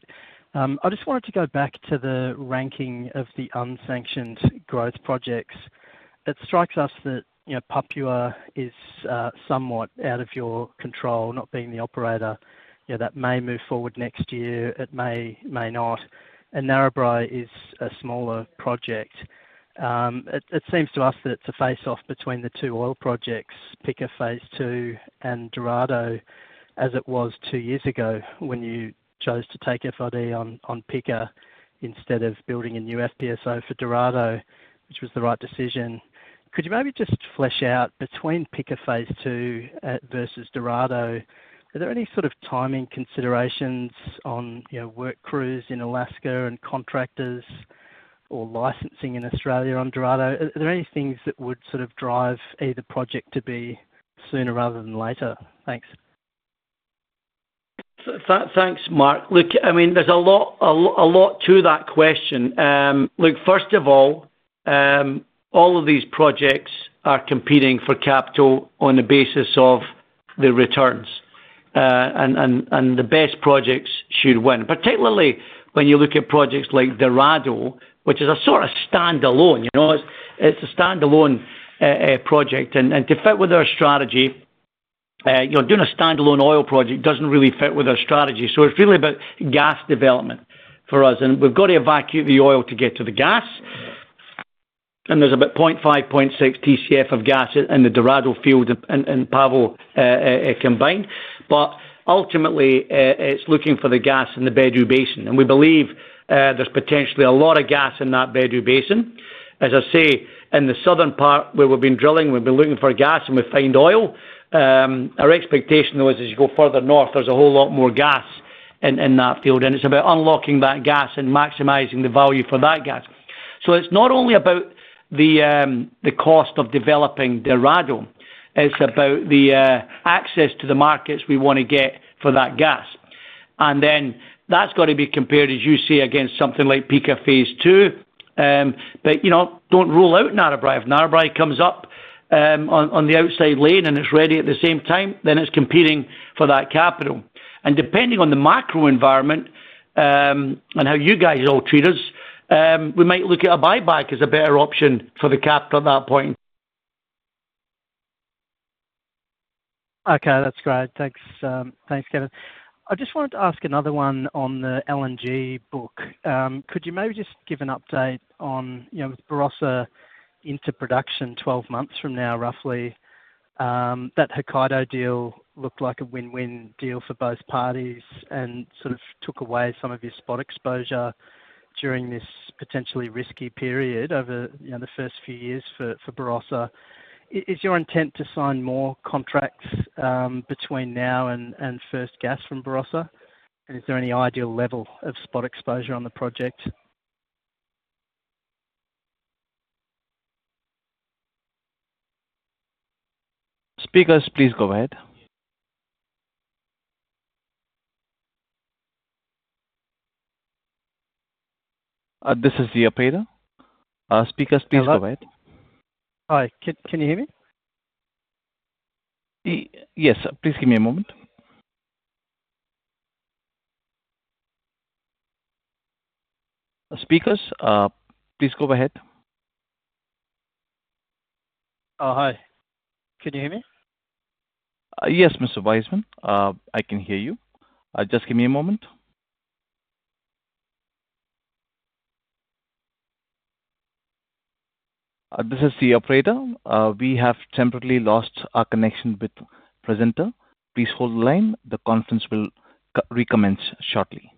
I just wanted to go back to the ranking of the unsanctioned growth projects. It strikes us that, you know, Papua is somewhat out of your control, not being the operator. You know, that may move forward next year, it may not, and Narrabri is a smaller project. It seems to us that it's a face-off between the two oil projects, Pikka Phase Two and Dorado, as it was two years ago when you chose to take FID on Pikka instead of building a new FPSO for Dorado, which was the right decision. Could you maybe just flesh out between Pikka Phase Two versus Dorado, are there any sort of timing considerations on, you know, work crews in Alaska and contractors or licensing in Australia on Dorado? Are there any things that would sort of drive either project to be sooner rather than later? Thanks. Thanks, Mark. Look, I mean, there's a lot to that question. Look, first of all, all of these projects are competing for capital on the basis of the returns, and the best projects should win, particularly when you look at projects like Dorado, which is a sort of standalone, you know? It's a standalone project, and to fit with our strategy, you know, doing a standalone oil project doesn't really fit with our strategy, so it's really about gas development for us. And we've got to evacuate the oil to get to the gas, and there's about 0.5-0.6 TCF of gas in the Dorado field and Pavo combined. But ultimately, it's looking for the gas in the Bedout Basin, and we believe there's potentially a lot of gas in that Bedout Basin. As I say, in the southern part, where we've been drilling, we've been looking for gas, and we find oil. Our expectation, though, is as you go further north, there's a whole lot more gas in that field, and it's about unlocking that gas and maximizing the value for that gas. So it's not only about the cost of developing Dorado, it's about the access to the markets we wanna get for that gas. And then that's got to be compared, as you say, against something like Pikka Phase Two. But you know, don't rule out Narrabri. If Narrabri comes up, on the outside lane, and it's ready at the same time, then it's competing for that capital. And depending on the macro environment, and how you guys all treat us, we might look at a buyback as a better option for the capital at that point. Okay, that's great. Thanks, Kevin. I just wanted to ask another one on the LNG book. Could you maybe just give an update on, you know, with Barossa into production 12 months from now, roughly, that Hokkaido deal looked like a win-win deal for both parties and sort of took away some of your spot exposure during this potentially risky period over, you know, the first few years for Barossa. Is your intent to sign more contracts between now and first gas from Barossa? And is there any ideal level of spot exposure on the project? Speakers, please go ahead. This is the operator. Speakers, please go ahead. Hello? Hi, can, can you hear me? Yes, please give me a moment. Speakers, please go ahead. Hi. Can you hear me? Yes, Mr. Wiseman, I can hear you. Just give me a moment. This is the operator. We have temporarily lost our connection with the presenter. Please hold the line. The conference will recommence shortly.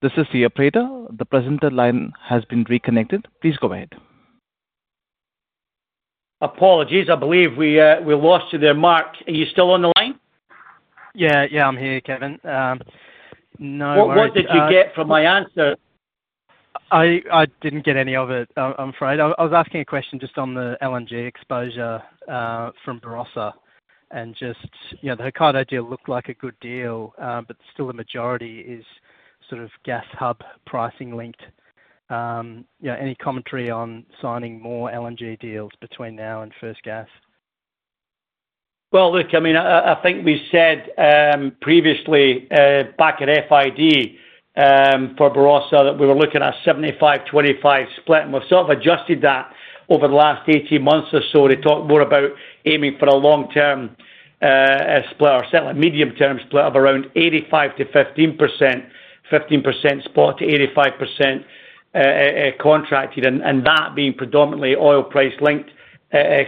This is the operator. The presenter line has been reconnected. Please go ahead. Apologies. I believe we lost you there, Mark. Are you still on the line? Yeah. Yeah, I'm here, Kevin. No worries. What, what did you get from my answer? I didn't get any of it, I'm afraid. I was asking a question just on the LNG exposure from Barossa, and just, you know, the Hokkaido deal looked like a good deal, but still the majority is sort of gas hub pricing linked. Yeah, any commentary on signing more LNG deals between now and first gas? Well, look, I mean, I think we said previously back at FID for Barossa that we were looking at 75/25 split, and we've sort of adjusted that over the last 18 months or so to talk more about aiming for a long-term split or certainly medium-term split of around 85%-15%. 15% spot to 85% contracted, and that being predominantly oil price-linked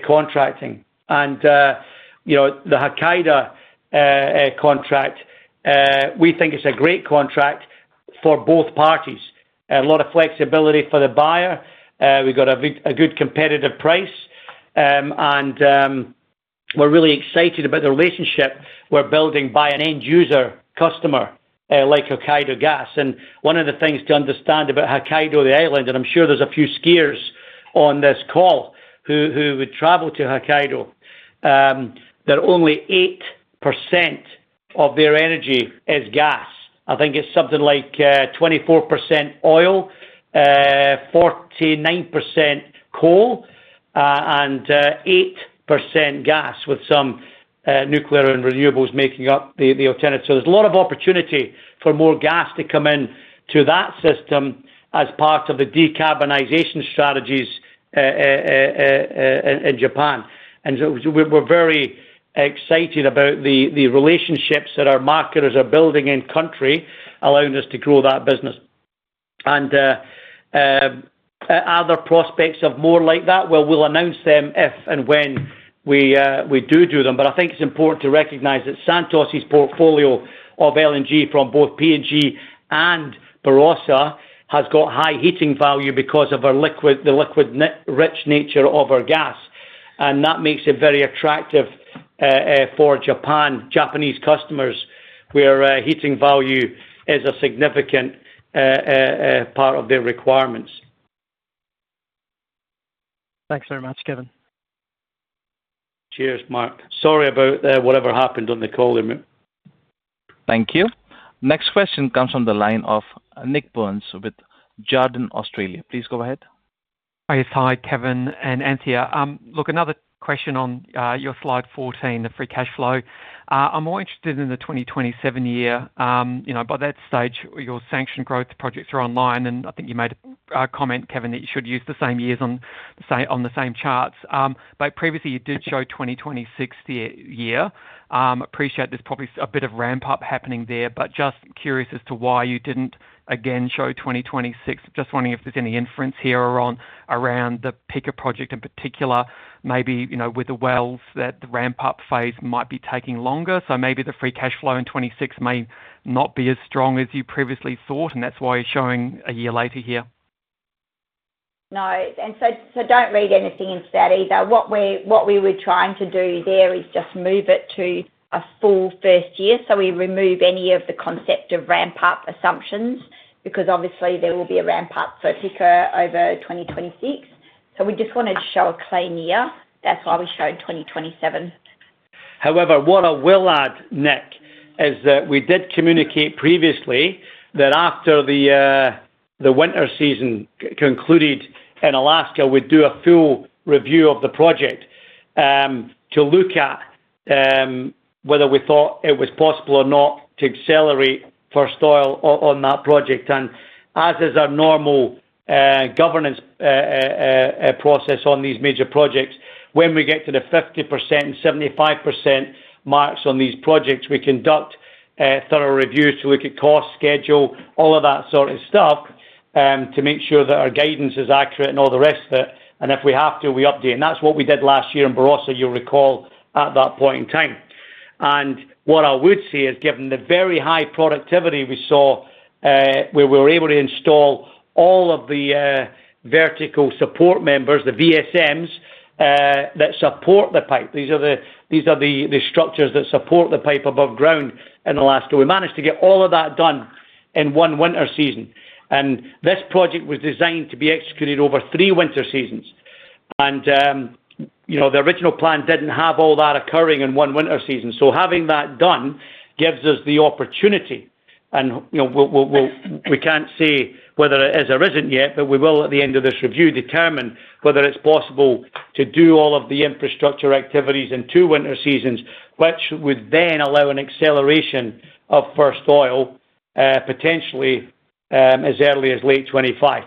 contracting. And you know, the Hokkaido contract we think it's a great contract for both parties. A lot of flexibility for the buyer. We've got a good competitive price, and we're really excited about the relationship we're building by an end user customer like Hokkaido Gas. And one of the things to understand about Hokkaido, the island, and I'm sure there's a few skiers on this call who would travel to Hokkaido, that only 8% of their energy is gas. I think it's something like 24% oil, 49% coal, and 8% gas, with some nuclear and renewables making up the alternative. So there's a lot of opportunity for more gas to come in to that system as part of the decarbonization strategies in Japan. And so we're very excited about the relationships that our marketers are building in country, allowing us to grow that business. And are there prospects of more like that? We'll announce them if and when we do them, but I think it's important to recognize that Santos' portfolio of LNG from both PNG and Barossa has got high heating value because of the liquids-rich nature of our gas, and that makes it very attractive for Japanese customers, where heating value is a significant part of their requirements. Thanks very much, Kevin. Cheers, Mark. Sorry about, whatever happened on the call there. Thank you. Next question comes from the line of Nik Burns with Jarden Australia. Please go ahead. Hi. Hi, Kevin and Anthea. Look, another question on your slide 14, the free cash flow. I'm more interested in the 2027 year. You know, by that stage, your sanctioned growth projects are online, and I think you made a comment, Kevin, that you should use the same years on the same charts. But previously you did show 2026 year. Appreciate there's probably a bit of ramp-up happening there, but just curious as to why you didn't again show 2026. Just wondering if there's any inference here or wrong around the Pikka project in particular, maybe you know, with the wells that the ramp-up phase might be taking longer, so maybe the free cash flow in 2026 may not be as strong as you previously thought, and that's why you're showing a year later here. No, and so don't read anything into that either. What we were trying to do there is just move it to a full first year, so we remove any of the concept of ramp-up assumptions, because obviously there will be a ramp-up for Pikka over 2026. So we just wanted to show a clean year, that's why we showed 2027. However, what I will add, Nik, is that we did communicate previously that after the winter season concluded in Alaska, we'd do a full review of the project to look at whether we thought it was possible or not to accelerate first oil on that project. And as is our normal governance process on these major projects, when we get to the 50% and 75% marks on these projects, we conduct thorough reviews to look at cost, schedule, all of that sort of stuff to make sure that our guidance is accurate and all the rest of it, and if we have to, we update. And that's what we did last year in Barossa, you'll recall, at that point in time. What I would say is, given the very high productivity we saw, where we were able to install all of the vertical support members, the VSMs, that support the pipe. These are the structures that support the pipe above ground in Alaska. We managed to get all of that done in one winter season, and this project was designed to be executed over three winter seasons. You know, the original plan didn't have all that occurring in one winter season. Having that done gives us the opportunity and, you know, we can't say whether it is or isn't yet, but we will, at the end of this review, determine whether it's possible to do all of the infrastructure activities in two winter seasons, which would then allow an acceleration of first oil potentially as early as late 2025.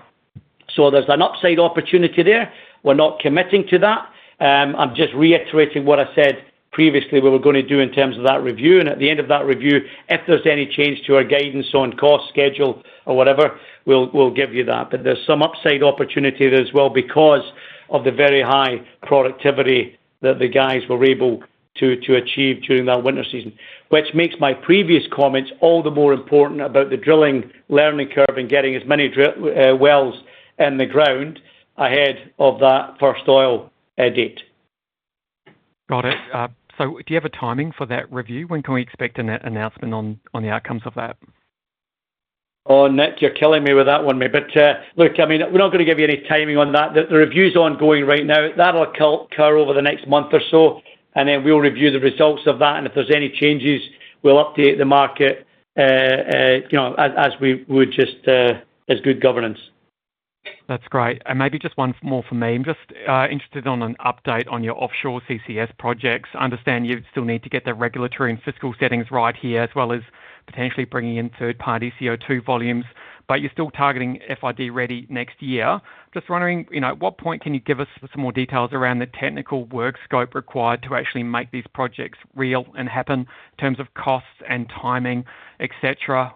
There's an upside opportunity there. We're not committing to that. I'm just reiterating what I said previously, what we're gonna do in terms of that review. At the end of that review, if there's any change to our guidance on cost, schedule or whatever, we'll give you that. There's some upside opportunity there as well because of the very high productivity that the guys were able to achieve during that winter season. Which makes my previous comments all the more important about the drilling learning curve and getting as many drill wells in the ground ahead of that first oil date. Got it. So do you have a timing for that review? When can we expect an announcement on the outcomes of that? Oh, Nik, you're killing me with that one, mate. But, look, I mean, we're not gonna give you any timing on that. The review's ongoing right now. That'll occur over the next month or so, and then we'll review the results of that, and if there's any changes, we'll update the market, you know, as we would just as good governance. That's great. And maybe just one more from me. I'm just interested on an update on your offshore CCS projects. I understand you still need to get the regulatory and fiscal settings right here, as well as potentially bringing in third-party CO2 volumes, but you're still targeting FID ready next year. Just wondering, you know, at what point can you give us some more details around the technical work scope required to actually make these projects real and happen in terms of costs and timing, et cetera?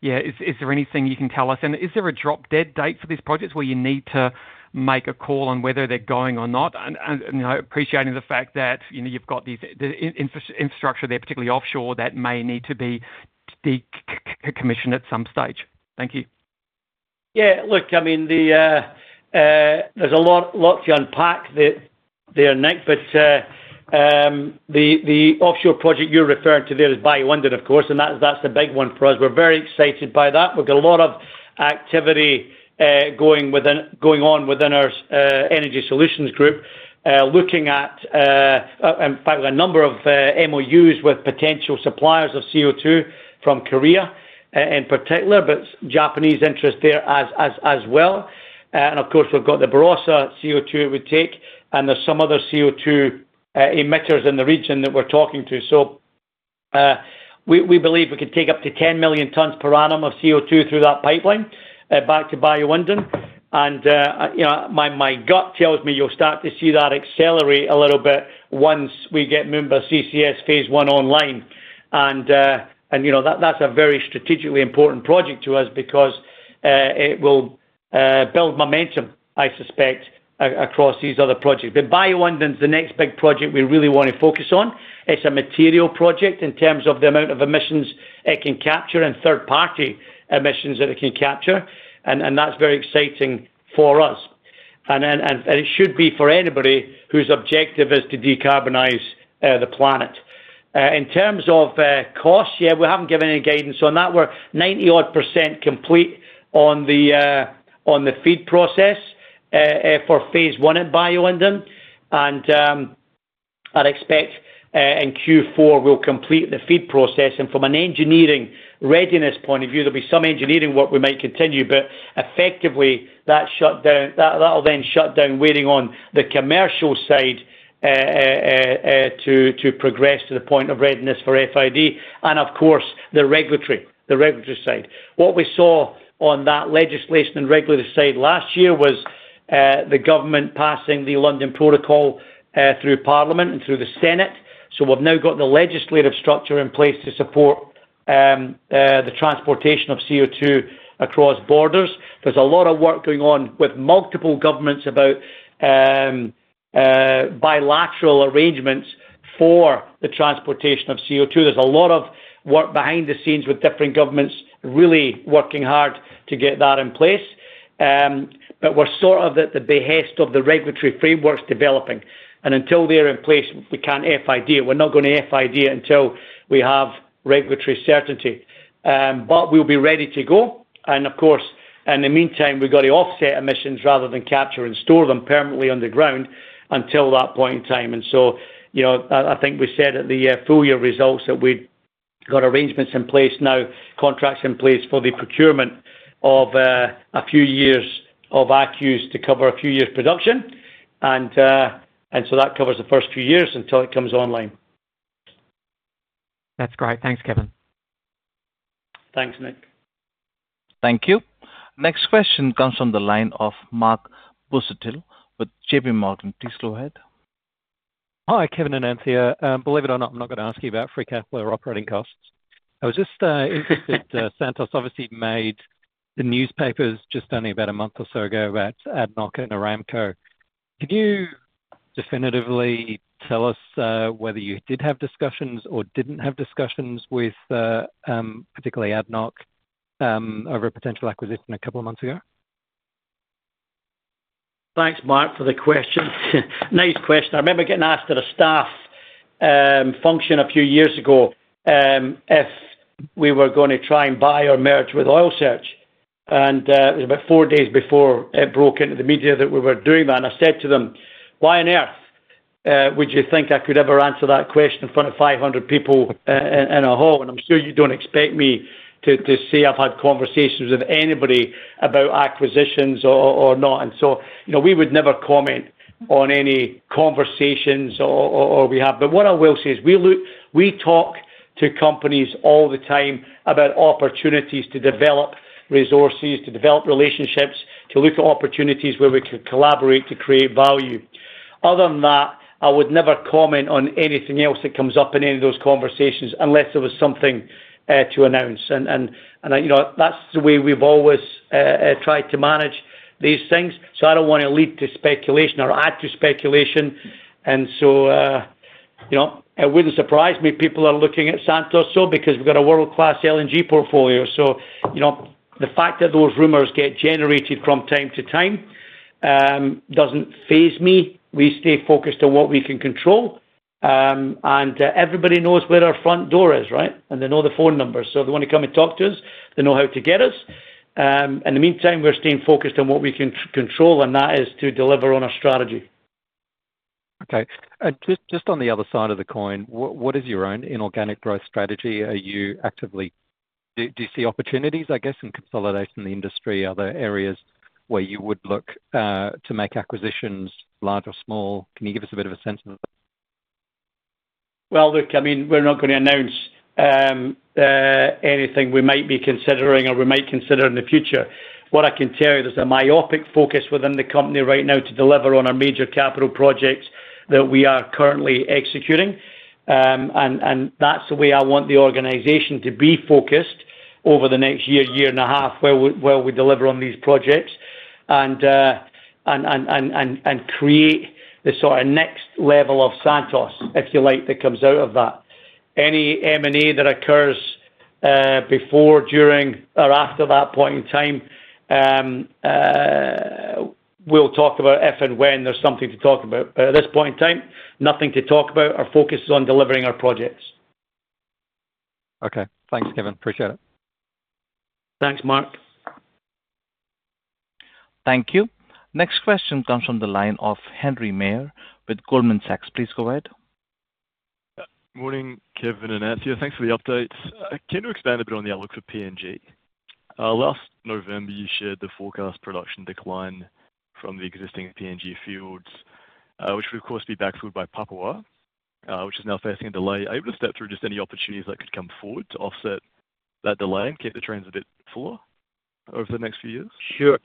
Yeah, is there anything you can tell us? And is there a drop dead date for these projects, where you need to make a call on whether they're going or not? You know, appreciating the fact that, you know, you've got these, the infrastructure there, particularly offshore, that may need to be decommissioned at some stage. Thank you. Yeah, look, I mean, there's a lot to unpack there, Nik, but the offshore project you're referring to there is Bayu-Undan, of course, and that's the big one for us. We're very excited by that. We've got a lot of activity going on within our energy solutions group, looking at, in fact, a number of MOUs with potential suppliers of CO2 from Korea, in particular, but Japanese interest there as well. And of course, we've got the Barossa CO2 it would take, and there's some other CO2 emitters in the region that we're talking to. So we believe we could take up to 10 million tons per annum of CO2 through that pipeline back to Bayu-Undan. And, you know, my gut tells me you'll start to see that accelerate a little bit once we get Moomba CCS Phase One online. And, you know, that's a very strategically important project to us because it will build momentum, I suspect, across these other projects. But Bayu-Undan is the next big project we really wanna focus on. It's a material project in terms of the amount of emissions it can capture and third-party emissions that it can capture, and that's very exciting for us. And then, it should be for anybody whose objective is to decarbonize the planet. In terms of cost, yeah, we haven't given any guidance on that. We're 90%-odd complete on the FEED process for Phase One at Bayu-Undan, and I'd expect in Q4 we'll complete the FEED process, and from an engineering readiness point of view, there'll be some engineering work we might continue, but effectively, that will then shut down, waiting on the commercial side to progress to the point of readiness for FID and, of course, the regulatory side. What we saw on that legislation and regulatory side last year was the government passing the London Protocol through Parliament and through the Senate, so we've now got the legislative structure in place to support the transportation of CO2 across borders. There's a lot of work going on with multiple governments about bilateral arrangements for the transportation of CO2. There's a lot of work behind the scenes with different governments, really working hard to get that in place. But we're sort of at the behest of the regulatory frameworks developing, and until they're in place, we can't FID. We're not gonna FID until we have regulatory certainty. But we'll be ready to go. And of course, in the meantime, we've got to offset emissions rather than capture and store them permanently underground until that point in time. And so, you know, I think we said at the full year results that we've got arrangements in place now, contracts in place for the procurement of a few years of ACCUs to cover a few years' production. And so that covers the first few years until it comes online. That's great. Thanks, Kevin. Thanks, Nik. Thank you. Next question comes from the line of Mark Busuttil with JPMorgan. Please go ahead. Hi, Kevin and Anthea. Believe it or not, I'm not gonna ask you about free cash flow or operating costs. I was just interested. Santos obviously made the newspapers just only about a month or so ago about ADNOC and Aramco. Could you definitively tell us whether you did have discussions or didn't have discussions with, particularly ADNOC, over a potential acquisition a couple of months ago? Thanks, Mark, for the question. Nice question. I remember getting asked at a staff function a few years ago if we were going to try and buy or merge with Oil Search. And it was about four days before it broke into the media that we were doing that. And I said to them, "Why on earth would you think I could ever answer that question in front of 500 people in a hall? And I'm sure you don't expect me to say I've had conversations with anybody about acquisitions or not." And so, you know, we would never comment on any conversations or we have. But what I will say is we talk to companies all the time about opportunities to develop resources, to develop relationships, to look at opportunities where we could collaborate to create value. Other than that, I would never comment on anything else that comes up in any of those conversations, unless there was something to announce. And you know, that's the way we've always tried to manage these things. I don't want to lead to speculation or add to speculation. You know, it wouldn't surprise me if people are looking at Santos so because we've got a world-class LNG portfolio. You know, the fact that those rumors get generated from time to time doesn't phase me. We stay focused on what we can control. Everybody knows where our front door is, right? They know the phone number, so if they want to come and talk to us, they know how to get us. In the meantime, we're staying focused on what we can control, and that is to deliver on our strategy. Okay. And just on the other side of the coin, what is your own inorganic growth strategy? Are you actively... Do you see opportunities, I guess, in consolidating the industry? Are there areas where you would look to make acquisitions, large or small? Can you give us a bit of a sense of that? Look, I mean, we're not going to announce anything we might be considering or we might consider in the future. What I can tell you, there's a myopic focus within the company right now to deliver on our major capital projects that we are currently executing. And that's the way I want the organization to be focused over the next year, year and a half, where we deliver on these projects and create the sort of next level of Santos, if you like, that comes out of that. Any M&A that occurs before, during, or after that point in time, we'll talk about if and when there's something to talk about. But at this point in time, nothing to talk about. Our focus is on delivering our projects. Okay. Thanks, Kevin. Appreciate it. Thanks, Mark. Thank you. Next question comes from the line of Henry Meyer with Goldman Sachs. Please go ahead. Morning, Kevin and Anthea. Thanks for the updates. Can you expand a bit on the outlook for PNG? Last November, you shared the forecast production decline from the existing PNG fields, which would of course be backed through by Papua, which is now facing a delay. Are you able to step through just any opportunities that could come forward to offset that delay and keep the trends a bit fuller over the next few years? Sure.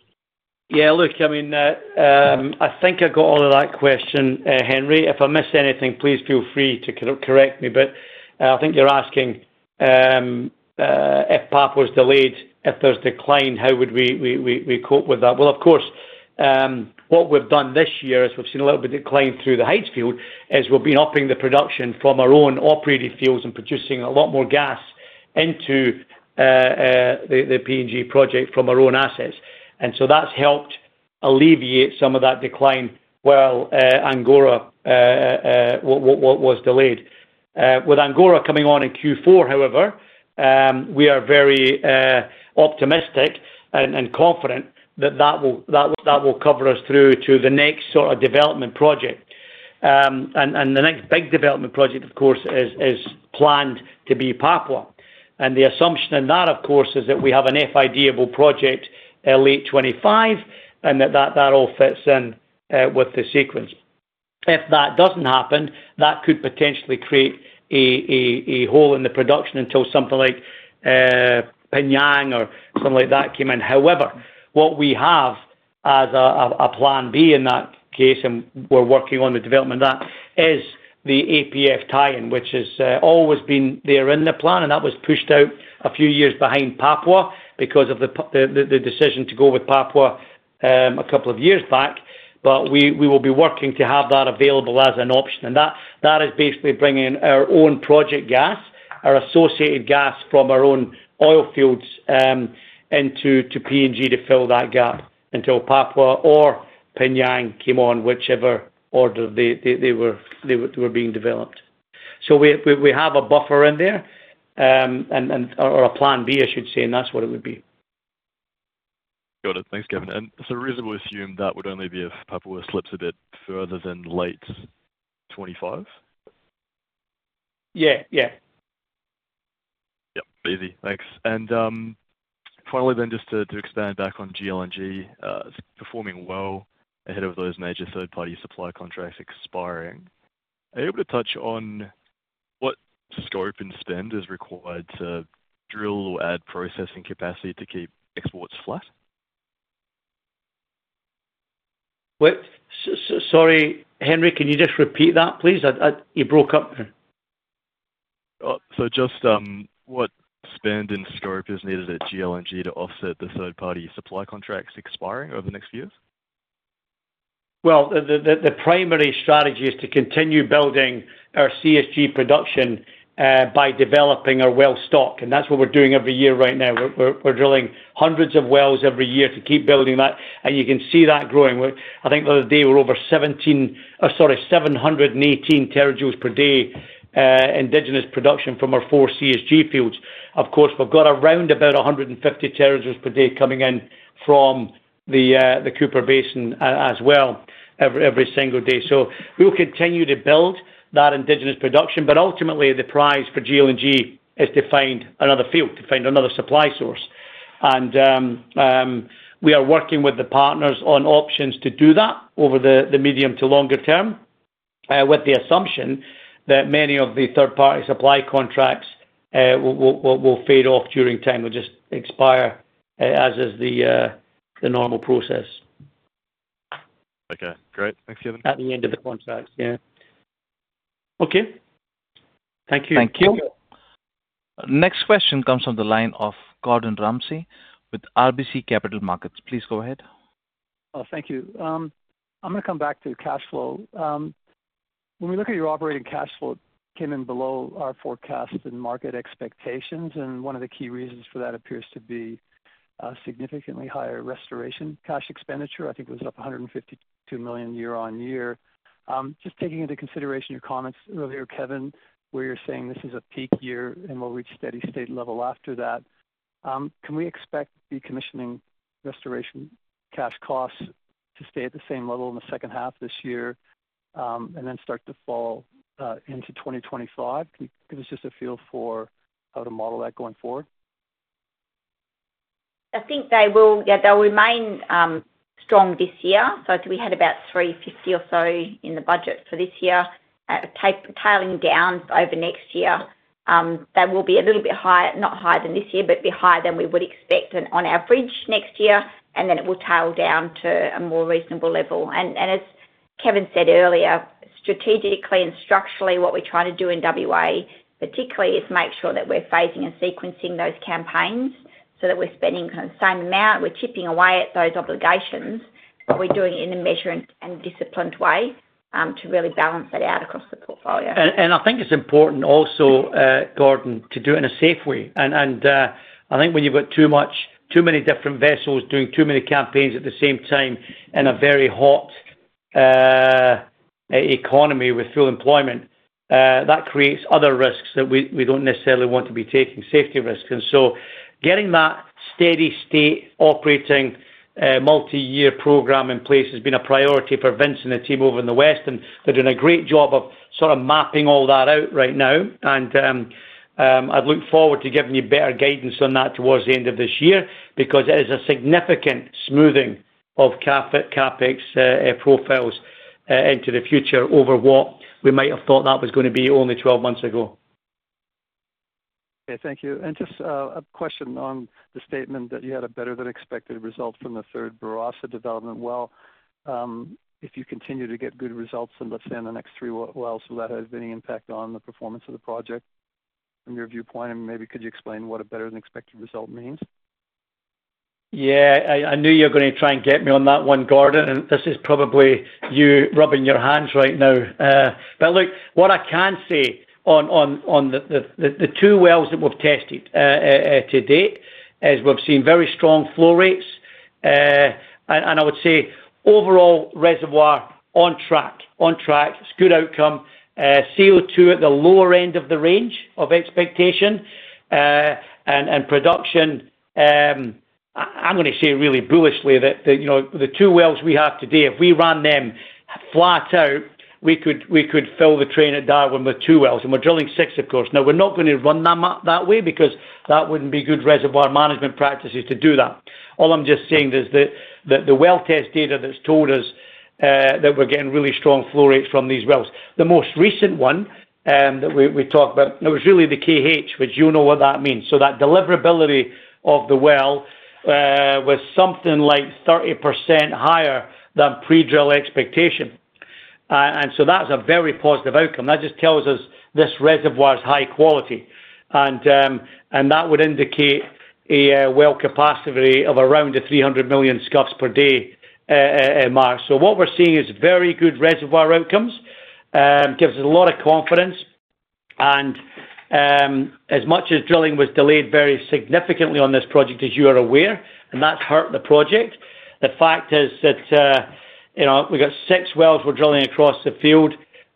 Yeah, look, I mean, I think I've got all of that question, Henry. If I missed anything, please feel free to correct me. But, I think you're asking if Papua is delayed, if there's decline, how would we cope with that? Of course, what we've done this year is we've seen a little bit decline through the Hides Field. We've been upping the production from our own operated fields and producing a lot more gas into the PNG project from our own assets. And so that's helped alleviate some of that decline, while Angore was delayed. With Angore coming on in Q4, however, we are very optimistic and confident that that will cover us through to the next sort of development project. And the next big development project, of course, is planned to be Papua. And the assumption in that, of course, is that we have an FID-able project late 2025, and that all fits in with the sequence. If that doesn't happen, that could potentially create a hole in the production until something like P'nyang or something like that came in. However, what we have as a plan B in that case, and we're working on the development of that, is the APF tie-in, which has always been there in the plan. And that was pushed out a few years behind Papua because of the decision to go with Papua a couple of years back. But we will be working to have that available as an option. That is basically bringing our own project gas, our associated gas from our own oil fields, into PNG to fill that gap until Papua or P'nyang came on, whichever order they were being developed. We have a buffer in there, and or a plan B, I should say, and that's what it would be. Got it. Thanks, Kevin. And so reasonable to assume that would only be if Papua slips a bit further than late 2025? Yeah, yeah. Yep, easy. Thanks. And, finally, then, just to expand back on GLNG, it's performing well ahead of those major third-party supply contracts expiring. Are you able to touch on what scope and spend is required to drill or add processing capacity to keep exports flat? Wait. Sorry, Henry, can you just repeat that, please? You broke up there. What spend and scope is needed at GLNG to offset the third-party supply contracts expiring over the next few years? The primary strategy is to continue building our CSG production by developing our well stock, and that's what we're doing every year right now. We're drilling hundreds of wells every year to keep building that, and you can see that growing. I think the other day we're over 718 TJ per day indigenous production from our four CSG fields. Of course, we've got around about a 150 TJ per day coming in from the Cooper Basin as well, every single day. So we'll continue to build that indigenous production, but ultimately, the prize for GLNG is to find another field, to find another supply source. We are working with the partners on options to do that over the medium to longer term, with the assumption that many of the third-party supply contracts will fade off during time, will just expire, as is the normal process. Okay, great. Thanks, Kevin. At the end of the contracts. Yeah. Okay. Thank you. Thank you. Next question comes from the line of Gordon Ramsay with RBC Capital Markets. Please go ahead. Oh, thank you. I'm gonna come back to cash flow. When we look at your operating cash flow, it came in below our forecast and market expectations, and one of the key reasons for that appears to be significantly higher restoration cash expenditure. I think it was up $152 million year on year. Just taking into consideration your comments earlier, Kevin, where you're saying this is a peak year, and we'll reach steady state level after that, can we expect the commissioning restoration cash costs to stay at the same level in the second half of this year, and then start to fall into 2025? Can you give us just a feel for how to model that going forward? I think they will. Yeah, they'll remain strong this year. So I think we had about $350 or so in the budget for this year, tailing down over next year. That will be a little bit higher, not higher than this year, but be higher than we would expect on average next year, and then it will tail down to a more reasonable level. And as Kevin said earlier, strategically and structurally, what we're trying to do in WA, particularly, is make sure that we're phasing and sequencing those campaigns so that we're spending kind of the same amount. We're chipping away at those obligations, but we're doing it in a measured and disciplined way, to really balance it out across the portfolio. I think it's important also, Gordon, to do it in a safe way. I think when you've got too much, too many different vessels doing too many campaigns at the same time in a very hot economy with full employment, that creates other risks that we don't necessarily want to be taking safety risks. And so getting that steady state operating multi-year program in place has been a priority for Vince and the team over in the West, and they're doing a great job of sort of mapping all that out right now. I look forward to giving you better guidance on that towards the end of this year, because it is a significant smoothing of CapEx profiles into the future over what we might have thought that was gonna be only 12 months ago. Okay, thank you. And just a question on the statement that you had a better than expected result from the third Barossa development well. If you continue to get good results in, let's say, in the next three wells, will that have any impact on the performance of the project from your viewpoint? And maybe could you explain what a better than expected result means? Yeah, I knew you were gonna try and get me on that one, Gordon, and this is probably you rubbing your hands right now. But look, what I can say on the two wells that we've tested to date is we've seen very strong flow rates. And I would say overall reservoir on track. It's good outcome. CO2 at the lower end of the range of expectation, and production. I'm gonna say really bullishly that, you know, the two wells we have today, if we ran them flat out, we could fill the train at Darwin with two wells, and we're drilling six, of course. Now, we're not gonna run them up that way because that wouldn't be good reservoir management practices to do that. All I'm just saying is that the well test data that's told us that we're getting really strong flow rates from these wells. The most recent one that we talked about, it was really the Kh, which you know what that means. So that deliverability of the well was something like 30% higher than pre-drill expectation. And so that's a very positive outcome. That just tells us this reservoir is high quality, and that would indicate a well capacity of around the 300 million scf per day mark. So what we're seeing is very good reservoir outcomes, gives us a lot of confidence. As much as drilling was delayed very significantly on this project, as you are aware, and that's hurt the project, the fact is that, you know, we got six wells we're drilling across the field.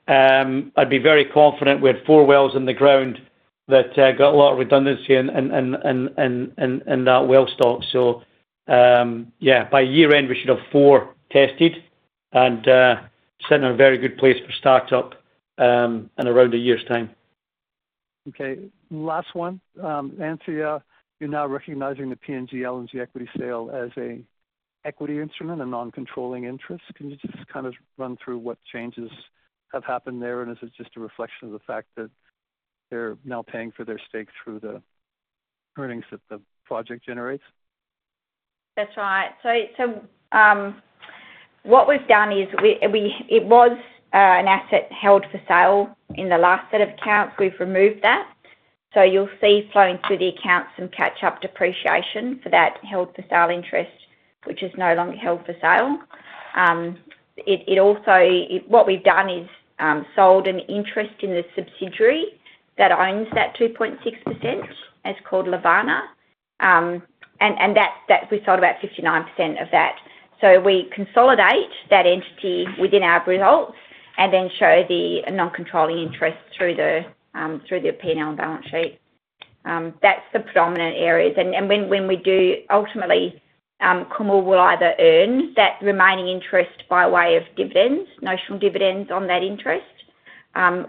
I'd be very confident we had four wells in the ground that got a lot of redundancy in that well stock. Yeah, by year end, we should have four tested and sitting in a very good place for startup in around a year's time. Okay, last one. Anthea, you're now recognizing the PNG LNG equity sale as an equity instrument, a non-controlling interest. Can you just kind of run through what changes have happened there, and is it just a reflection of the fact that they're now paying for their stake through the earnings that the project generates? That's right. So what we've done is it was an asset held for sale in the last set of accounts. We've removed that. So you'll see flowing through the accounts some catch-up depreciation for that held for sale interest, which is no longer held for sale. It also. What we've done is sold an interest in the subsidiary that owns that 2.6%. It's called Lavana. And we sold about 59% of that. So we consolidate that entity within our results and then show the non-controlling interest through the P&L balance sheet. That's the predominant areas. When we do, ultimately, Kumul will either earn that remaining interest by way of dividends, notional dividends on that interest,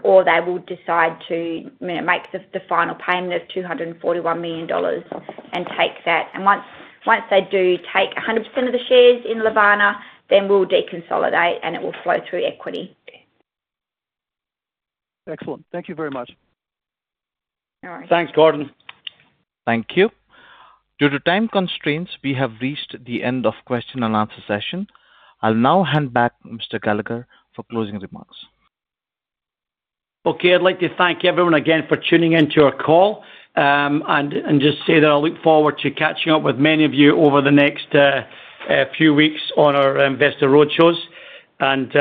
or they will decide to, you know, make the final payment of $241 million and take that. Once they do take 100% of the shares in Lavana, then we'll deconsolidate, and it will flow through equity. Excellent. Thank you very much. All right. Thanks, Gordon. Thank you. Due to time constraints, we have reached the end of question and answer session. I'll now hand back to Mr. Gallagher for closing remarks. Okay. I'd like to thank everyone again for tuning in to our call, and just say that I look forward to catching up with many of you over the next few weeks on our investor roadshows. And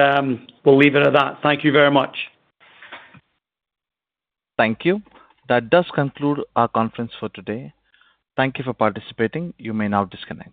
we'll leave it at that. Thank you very much. Thank you. That does conclude our conference for today. Thank you for participating. You may now disconnect.